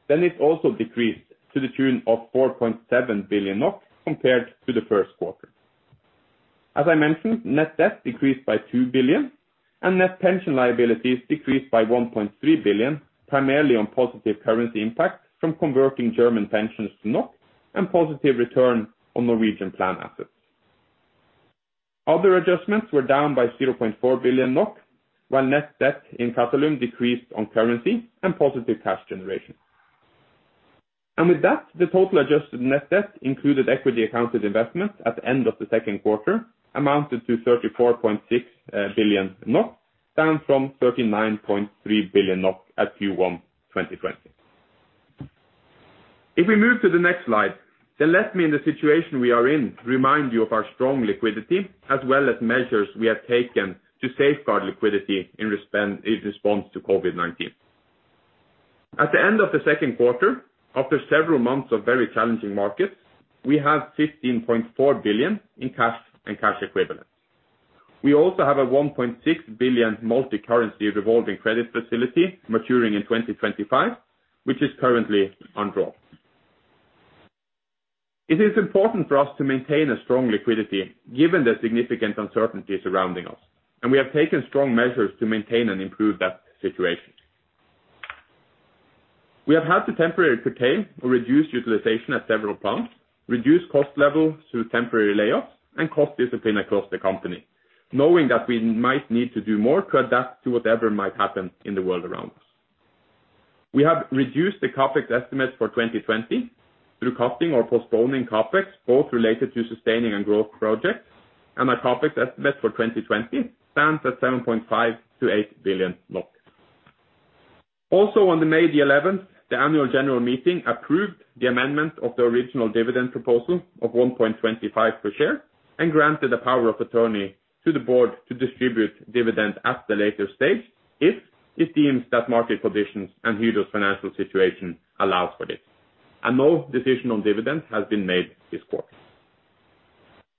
it also decreased to the tune of 4.7 billion NOK compared to the first quarter. As I mentioned, net debt decreased by 2 billion and net pension liabilities decreased by 1.3 billion, primarily on positive currency impacts from converting German pensions to NOK and positive return on Norwegian plan assets. Other adjustments were down by 0.4 billion NOK, while net debt in Qatalum decreased on currency and positive cash generation. With that, the total adjusted net debt included equity accounted investment at the end of the second quarter amounted to 34.6 billion NOK, down from 39.3 billion NOK at Q1 2020. If we move to the next slide, then let me in the situation we are in remind you of our strong liquidity as well as measures we have taken to safeguard liquidity in response to COVID-19. At the end of the second quarter, after several months of very challenging markets, we have 15.4 billion in cash and cash equivalents. We also have a 1.6 billion multi-currency revolving credit facility maturing in 2025, which is currently undrawn. It is important for us to maintain a strong liquidity given the significant uncertainty surrounding us, and we have taken strong measures to maintain and improve that situation. We have had to temporarily curtail or reduce utilization at several plants, reduce cost levels through temporary layoffs and cost discipline across the company, knowing that we might need to do more to adapt to whatever might happen in the world around us. We have reduced the CapEx estimates for 2020 through cutting or postponing CapEx, both related to sustaining and growth projects, and our CapEx estimate for 2020 stands at 7.5 billion-8 billion NOK. On May the 11th, the annual general meeting approved the amendment of the original dividend proposal of 1.25 per share and granted the power of attorney to the board to distribute dividends at the later stage if it seems that market conditions and Hydro's financial situation allows for this. No decision on dividend has been made this quarter.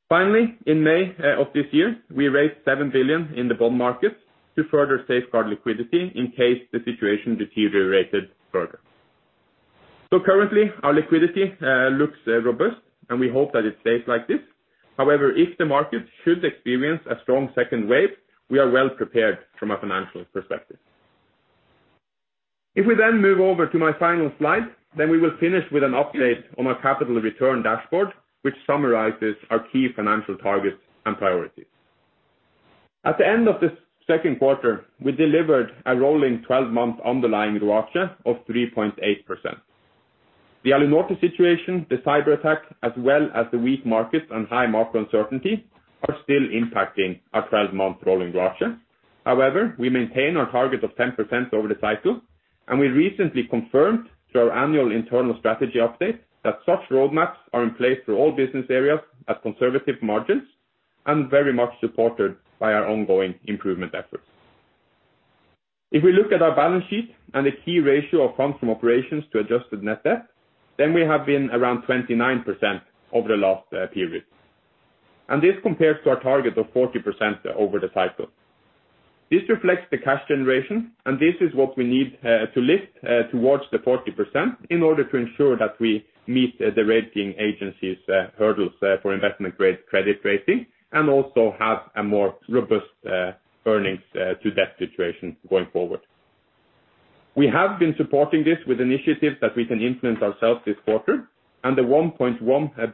Finally, in May of this year, we raised 7 billion in the bond market to further safeguard liquidity in case the situation deteriorated further. Currently, our liquidity looks robust, and we hope that it stays like this. However, if the market should experience a strong second wave, we are well prepared from a financial perspective. We then move over to my final slide, then we will finish with an update on our capital return dashboard, which summarizes our key financial targets and priorities. At the end of the second quarter, we delivered a rolling 12-month underlying ROACE of 3.8%. The Alunorte situation, the cyber attack, as well as the weak market and high market uncertainty are still impacting our 12-month rolling ROACE. However, we maintain our target of 10% over the cycle, and we recently confirmed through our annual internal strategy update that such roadmaps are in place through all business areas at conservative margins and very much supported by our ongoing improvement efforts. We look at our balance sheet and the key ratio of funds from operations to adjusted net debt, then we have been around 29% over the last period. This compares to our target of 40% over the cycle. This reflects the cash generation, this is what we need to lift towards the 40% in order to ensure that we meet the rating agencies' hurdles for investment-grade credit rating and also have a more robust earnings to debt situation going forward. We have been supporting this with initiatives that we can influence ourselves this quarter, the 1.1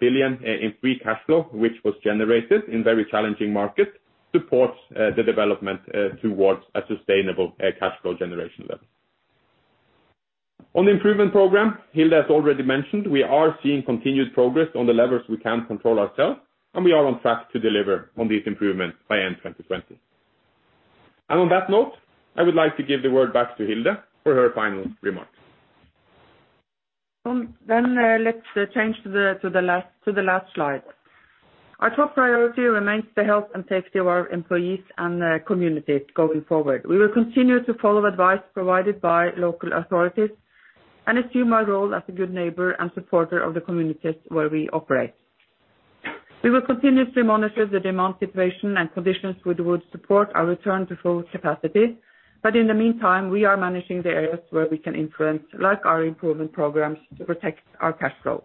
billion in free cash flow, which was generated in very challenging markets, supports the development towards a sustainable cash flow generation level. On the Improvement Program, Hilde has already mentioned we are seeing continued progress on the levers we can control ourselves, we are on track to deliver on these improvements by end 2020. On that note, I would like to give the word back to Hilde for her final remarks. Let's change to the last slide. Our top priority remains the health and safety of our employees and communities going forward. We will continue to follow advice provided by local authorities and assume my role as a good neighbor and supporter of the communities where we operate. We will continuously monitor the demand situation and conditions which would support our return to full capacity. In the meantime, we are managing the areas where we can influence, like our improvement programs, to protect our cash flow.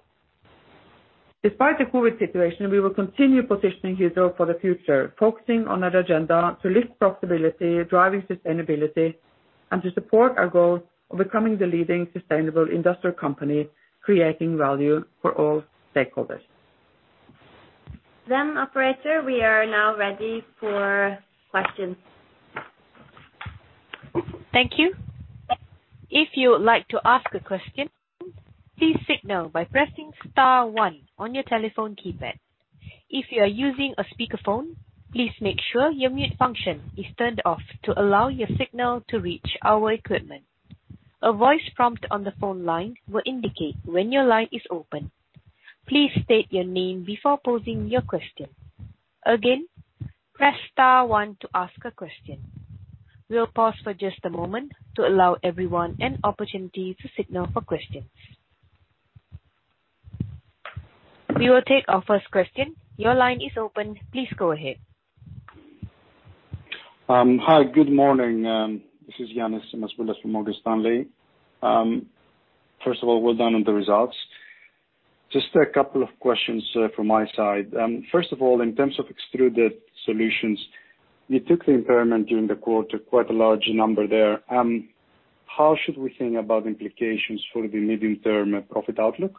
Despite the COVID-19 situation, we will continue positioning Hydro for the future, focusing on an agenda to lift profitability, driving sustainability, and to support our goal of becoming the leading sustainable industrial company, creating value for all stakeholders. Operator, we are now ready for questions. Thank you. If you would like to ask a question, please signal by pressing star one on your telephone keypad. If you are using a speakerphone, please make sure your mute function is turned off to allow your signal to reach our equipment. A voice prompt on the phone line will indicate when your line is open. Please state your name before posing your question. Again, press star one to ask a question. We'll pause for just a moment to allow everyone an opportunity to signal for questions. We will take our first question. Your line is open. Please go ahead. Hi, good morning. This is Ioannis Masvoulas from Morgan Stanley. First of all, well done on the results. Just a couple of questions from my side. First of all, in terms of Extruded Solutions, you took the impairment during the quarter, quite a large number there. How should we think about implications for the medium-term profit outlook,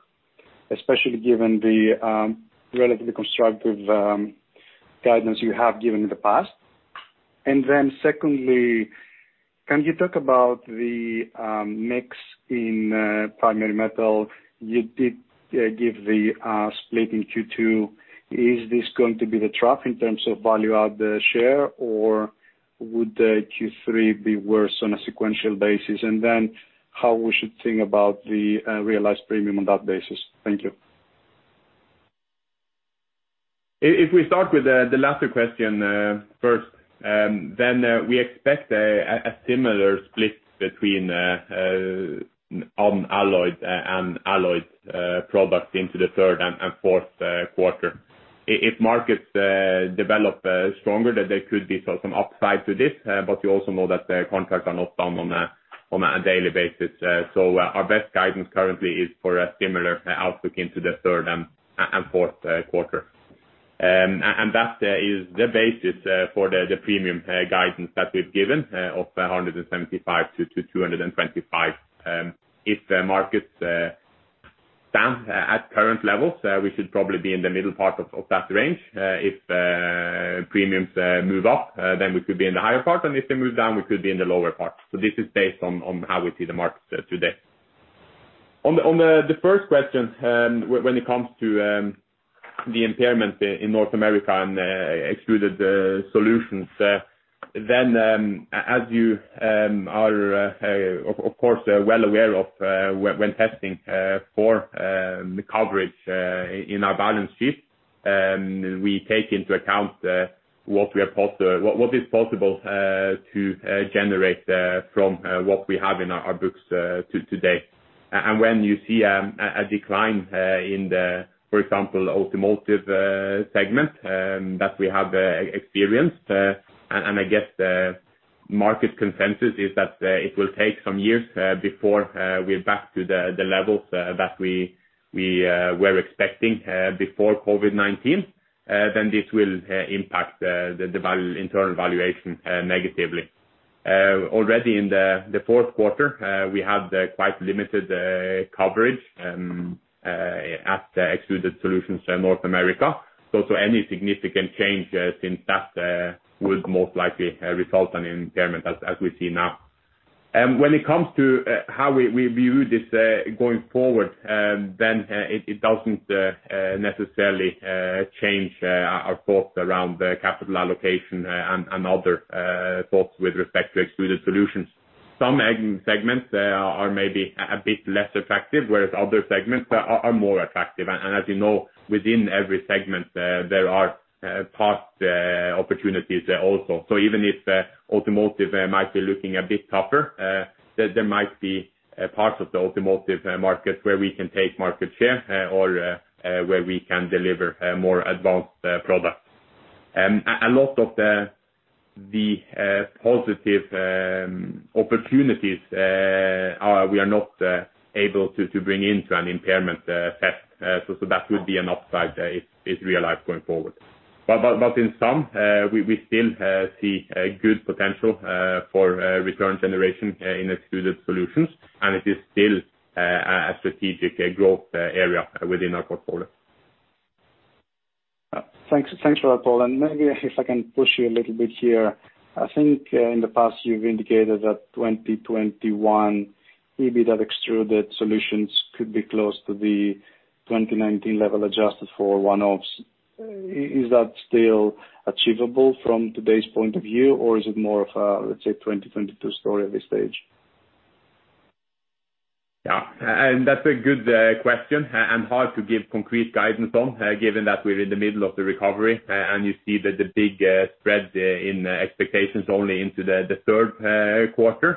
especially given the relatively constructive guidance you have given in the past? Secondly, can you talk about the mix in Primary Metal? You did give the split in Q2. Is this going to be the trough in terms of value-add share, or would Q3 be worse on a sequential basis? How we should think about the realized premium on that basis. Thank you. If we start with the latter question first, then we expect a similar split between unalloyed and alloyed products into the third and fourth quarter. If markets develop stronger, then there could be some upside to this. You also know that contracts are not done on a daily basis. Our best guidance currently is for a similar outlook into the third and fourth quarter. That is the basis for the premium guidance that we've given of 175-225. If the markets stand at current levels, we should probably be in the middle part of that range. If premiums move up, then we could be in the higher part, and if they move down, we could be in the lower part. This is based on how we see the market today. On the first question, when it comes to the impairment in Extrusion North America and Extruded Solutions, as you are of course well aware of when testing for the coverage in our balance sheet, we take into account what is possible to generate from what we have in our books today. When you see a decline in the, for example, automotive segment that we have experienced, I guess the market consensus is that it will take some years before we're back to the levels that we were expecting before COVID-19, this will impact the internal valuation negatively. Already in the fourth quarter, we had quite limited coverage at Extruded Solutions in North America. Any significant change since that would most likely result in impairment, as we see now. When it comes to how we view this going forward, it doesn't necessarily change our thoughts around capital allocation and other thoughts with respect to Extruded Solutions. Some segments are maybe a bit less attractive, whereas other segments are more attractive. As you know, within every segment, there are part opportunities also. Even if automotive might be looking a bit tougher, there might be parts of the automotive market where we can take market share or where we can deliver more advanced products. A lot of the positive opportunities we are not able to bring into an impairment test. That would be an upside if realized going forward. In some, we still see a good potential for return generation in Extruded Solutions, and it is still a strategic growth area within our portfolio. Thanks for that, Pål. Maybe if I can push you a little bit here. I think in the past, you’ve indicated that 2021, maybe that Extruded Solutions could be close to the 2019 level adjusted for one-offs. Is that still achievable from today’s point of view, or is it more of a, let’s say, 2022 story at this stage? Yeah. That's a good question, and hard to give concrete guidance on, given that we're in the middle of the recovery, and you see the big spread in expectations only into the third quarter.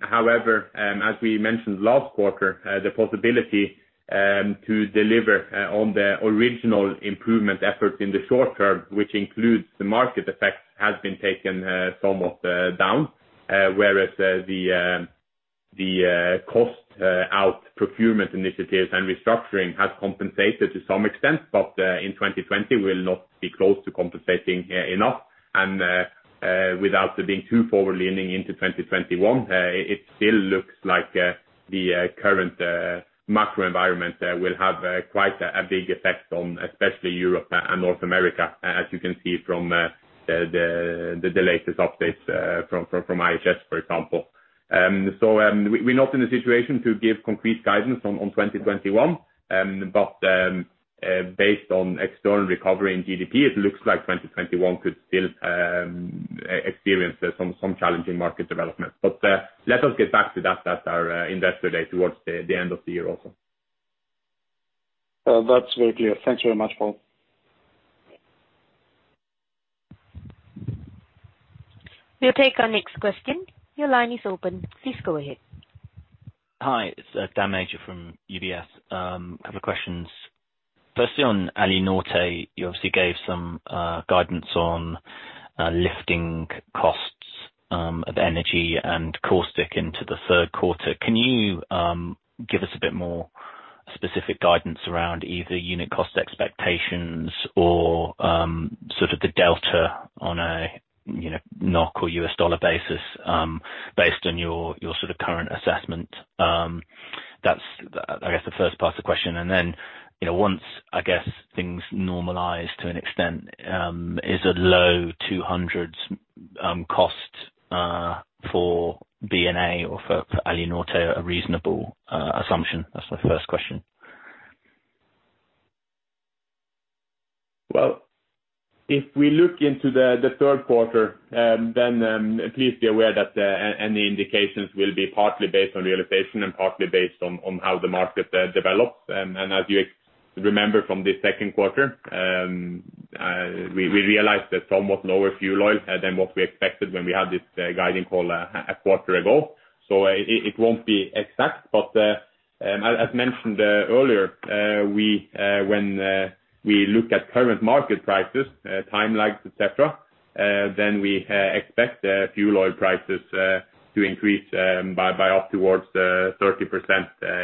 However, as we mentioned last quarter, the possibility to deliver on the original improvement efforts in the short term, which includes the market effect, has been taken somewhat down. Whereas the cost out procurement initiatives and restructuring has compensated to some extent, but in 2020 will not be close to compensating enough. Without being too forward-leaning into 2021, it still looks like the current macro environment will have quite a big effect on especially Europe and North America, as you can see from the latest updates from IHS, for example. We're not in a situation to give concrete guidance on 2021. Based on external recovery in GDP, it looks like 2021 could still experience some challenging market development. Let us get back to that at our Investor Day towards the end of the year also. That's very clear. Thank you very much, Pål. We'll take our next question. Your line is open. Please go ahead. Hi, it's Dan Major from UBS. A couple of questions. Firstly, on Alunorte, you obviously gave some guidance on lifting costs of energy and caustic into the third quarter. Can you give us a bit more specific guidance around either unit cost expectations or sort of the delta on a NOK or $ basis based on your sort of current assessment? That's, I guess, the first part of the question. Then, once, I guess, things normalize to an extent, is a low 200s cost for B&A or for Alunorte a reasonable assumption? That's my first question. Well, if we look into the third quarter, please be aware that any indications will be partly based on realization and partly based on how the market develops. As you remember from the second quarter, we realized that somewhat lower fuel oil than what we expected when we had this guiding call a quarter ago. It won't be exact, as mentioned earlier, when we look at current market prices, time lags, et cetera, we expect fuel oil prices to increase by up towards 30%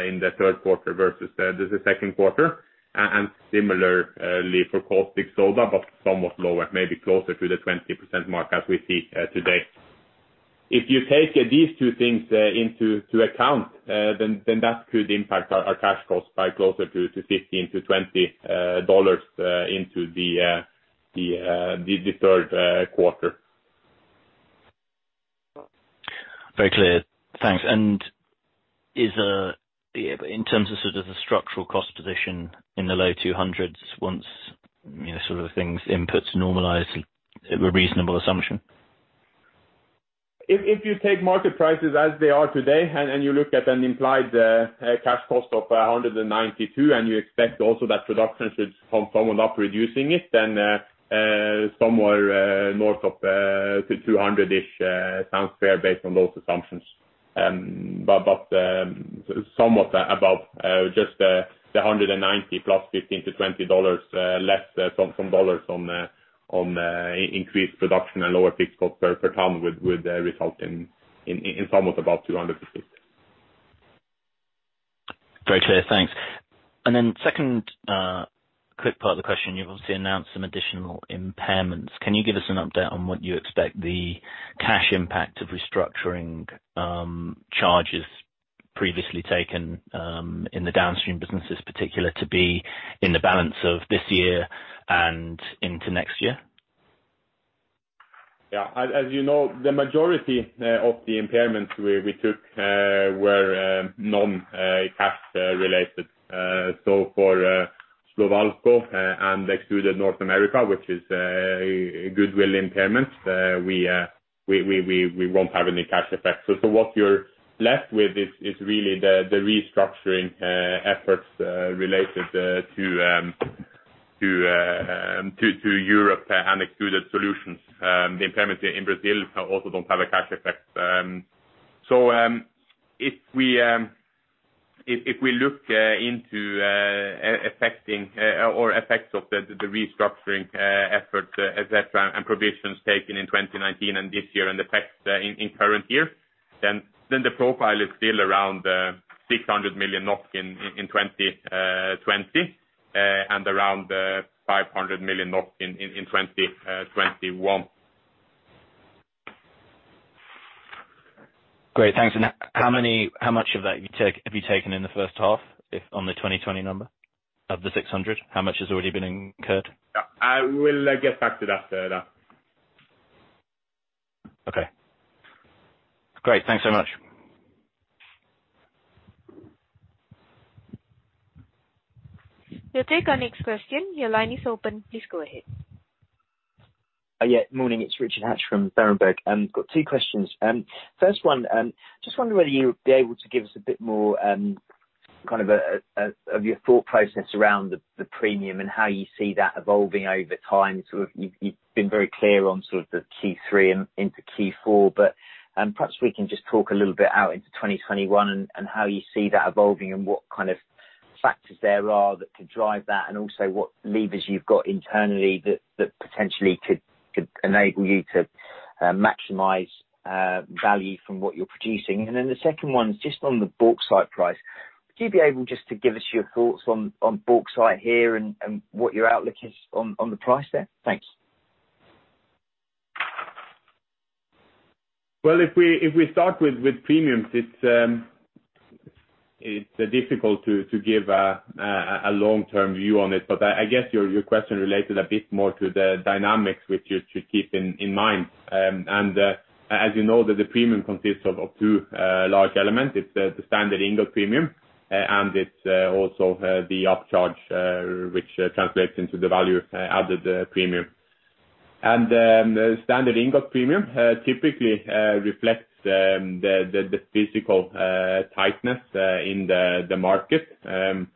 in the third quarter versus the second quarter. Similarly for caustic soda, somewhat lower, maybe closer to the 20% mark as we see today. If you take these two things into account, that could impact our cash costs by closer to $15-$20 into the third quarter. Very clear. Thanks. In terms of sort of the structural cost position in the low $200s once things inputs normalize, a reasonable assumption? If you take market prices as they are today and you look at an implied cash cost of 192, and you expect also that production should come somewhat up reducing it, then somewhere north of to 200-ish sounds fair based on those assumptions. Somewhat above just the 190 plus 15 to $20 less from dollars on increased production and lower fixed cost per ton would result in somewhat above 200 this is. Very clear. Thanks. Then second quick part of the question, you've obviously announced some additional impairments. Can you give us an update on what you expect the cash impact of restructuring charges previously taken, in the downstream businesses particular to be in the balance of this year and into next year? Yeah. As you know, the majority of the impairments we took were non-cash related. For Slovalco and Extrusion North America, which is a goodwill impairment, we won't have any cash effect. The impairment in Brazil also don't have a cash effect. If we look into effects of the restructuring efforts, et cetera, and provisions taken in 2019 and this year and effects in current year, the profile is still around 600 million NOK in 2020, and around 500 million NOK in 2021. Great. Thanks. How much of that have you taken in the first half on the 2020 number of the 600? How much has already been incurred? I will get back to that further. Okay. Great. Thanks so much. We'll take our next question. Your line is open. Please go ahead. Yeah, morning. It is Richard Hatch from Berenberg. I have two questions. First one, just wondering whether you would be able to give us a bit more of your thought process around the premium and how you see that evolving over time, sort of you have been very clear on sort of the Q3 into Q4, but perhaps we can just talk a little bit out into 2021 and how you see that evolving and what kind of factors there are that could drive that. Also what levers you have got internally that potentially could enable you to maximize value from what you are producing. The second one is just on the bauxite price. Would you be able just to give us your thoughts on bauxite here and what your outlook is on the price there? Thanks. Well, if we start with premiums, it's difficult to give a long-term view on it, but I guess your question related a bit more to the dynamics which you should keep in mind. As you know, the premium consists of two large elements. It's the standard ingot premium and it's also the upcharge, which translates into the value added premium. The standard ingot premium typically reflects the physical tightness in the market. In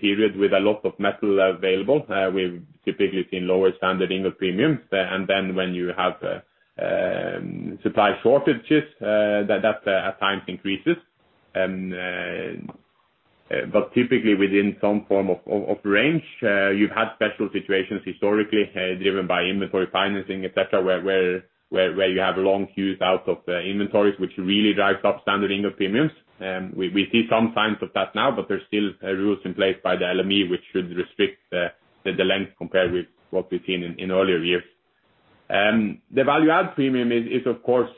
periods with a lot of metal available, we've typically seen lower standard ingot premiums. When you have supply shortages, that at times increases. Typically within some form of range, you've had special situations historically driven by inventory financing, et cetera, where you have long queues out of inventories, which really drives up standard ingot premiums. We see some signs of that now. There's still rules in place by the LME, which should restrict the length compared with what we've seen in earlier years. The value add premium is, of course,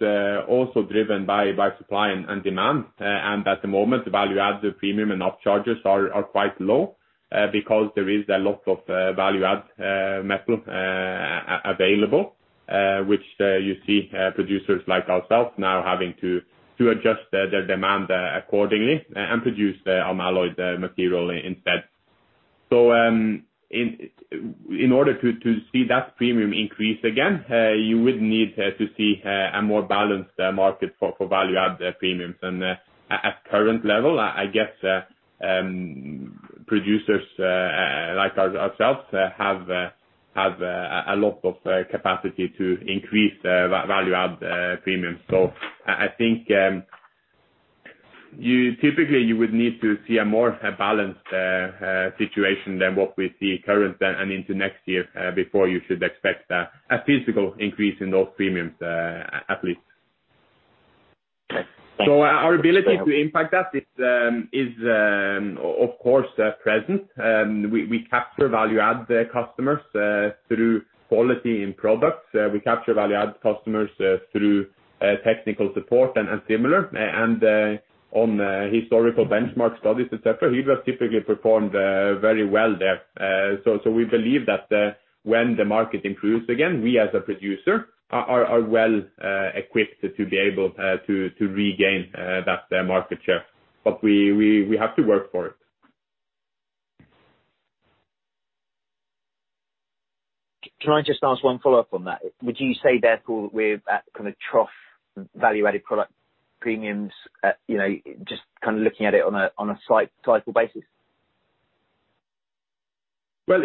also driven by supply and demand. At the moment, the value add premium and upcharges are quite low because there is a lot of value add metal available, which you see producers like ourselves now having to adjust their demand accordingly and produce unalloyed material instead. In order to see that premium increase again, you would need to see a more balanced market for value add premiums. At current level, I guess producers like ourselves have a lot of capacity to increase the value add premiums. I think typically you would need to see a more balanced situation than what we see current and into next year, before you should expect a physical increase in those premiums, at least. Okay. Our ability to impact that is of course present. We capture value add customers through quality in products. We capture value add customers through technical support and similar, and on historical benchmark studies, et cetera. Hydro has typically performed very well there. We believe that when the market improves again, we as a producer are well equipped to be able to regain that market share. We have to work for it. Can I just ask one follow-up on that? Would you say therefore that we're at kind of trough value-added product premiums, just looking at it on a cycle basis? Well,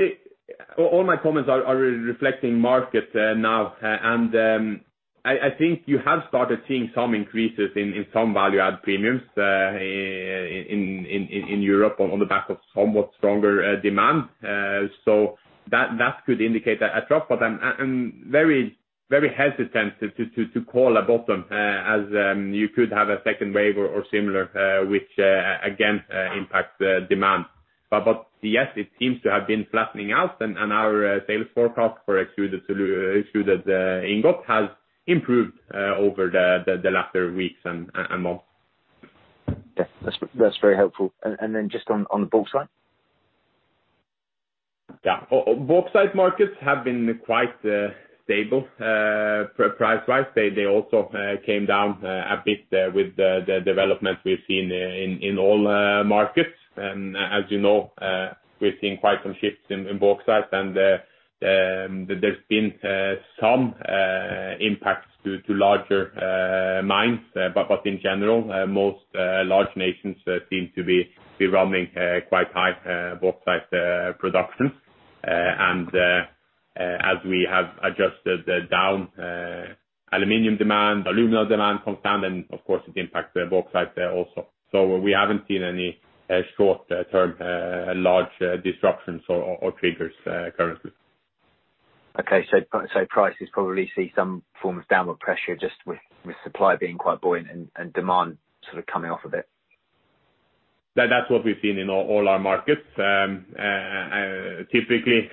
all my comments are reflecting market now, and I think you have started seeing some increases in some value add premiums in Europe on the back of somewhat stronger demand. That could indicate a drop, but I'm very hesitant to call a bottom, as you could have a second wave or similar, which again impacts demand. Yes, it seems to have been flattening out, and our sales forecast for extruded ingot has improved over the latter weeks and months. Yeah, that's very helpful. Just on the bauxite? Yeah. Bauxite markets have been quite stable price-wise. They also came down a bit with the development we've seen in all markets. As you know, we're seeing quite some shifts in bauxite and there's been some impacts to larger mines. In general, most large nations seem to be running quite high bauxite production. As we have adjusted down aluminum demand, alumina demand comes down, and of course it impacts the bauxite there also. We haven't seen any short-term large disruptions or triggers currently. Okay, prices probably see some form of downward pressure just with supply being quite buoyant and demand sort of coming off a bit? That's what we've seen in all our markets. Typically,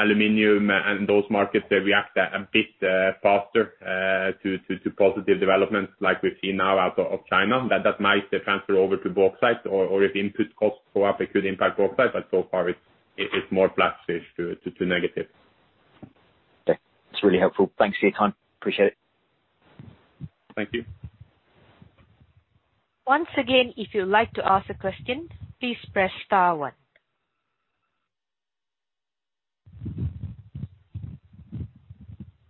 aluminum and those markets react a bit faster to positive developments like we've seen now out of China. That might transfer over to bauxite or if input costs go up, it could impact bauxite, but so far it's more flat-ish to negative. Okay. That's really helpful. Thanks for your time. Appreciate it. Thank you. Once again, if you'd like to ask a question, please press star one.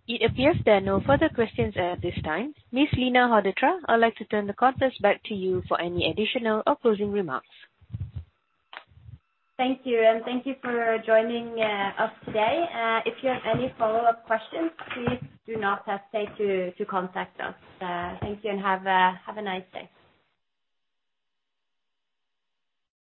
It appears there are no further questions at this time. Ms. Line Haugetraa, I'd like to turn the conference back to you for any additional or closing remarks. Thank you, thank you for joining us today. If you have any follow-up questions, please do not hesitate to contact us. Thank you and have a nice day.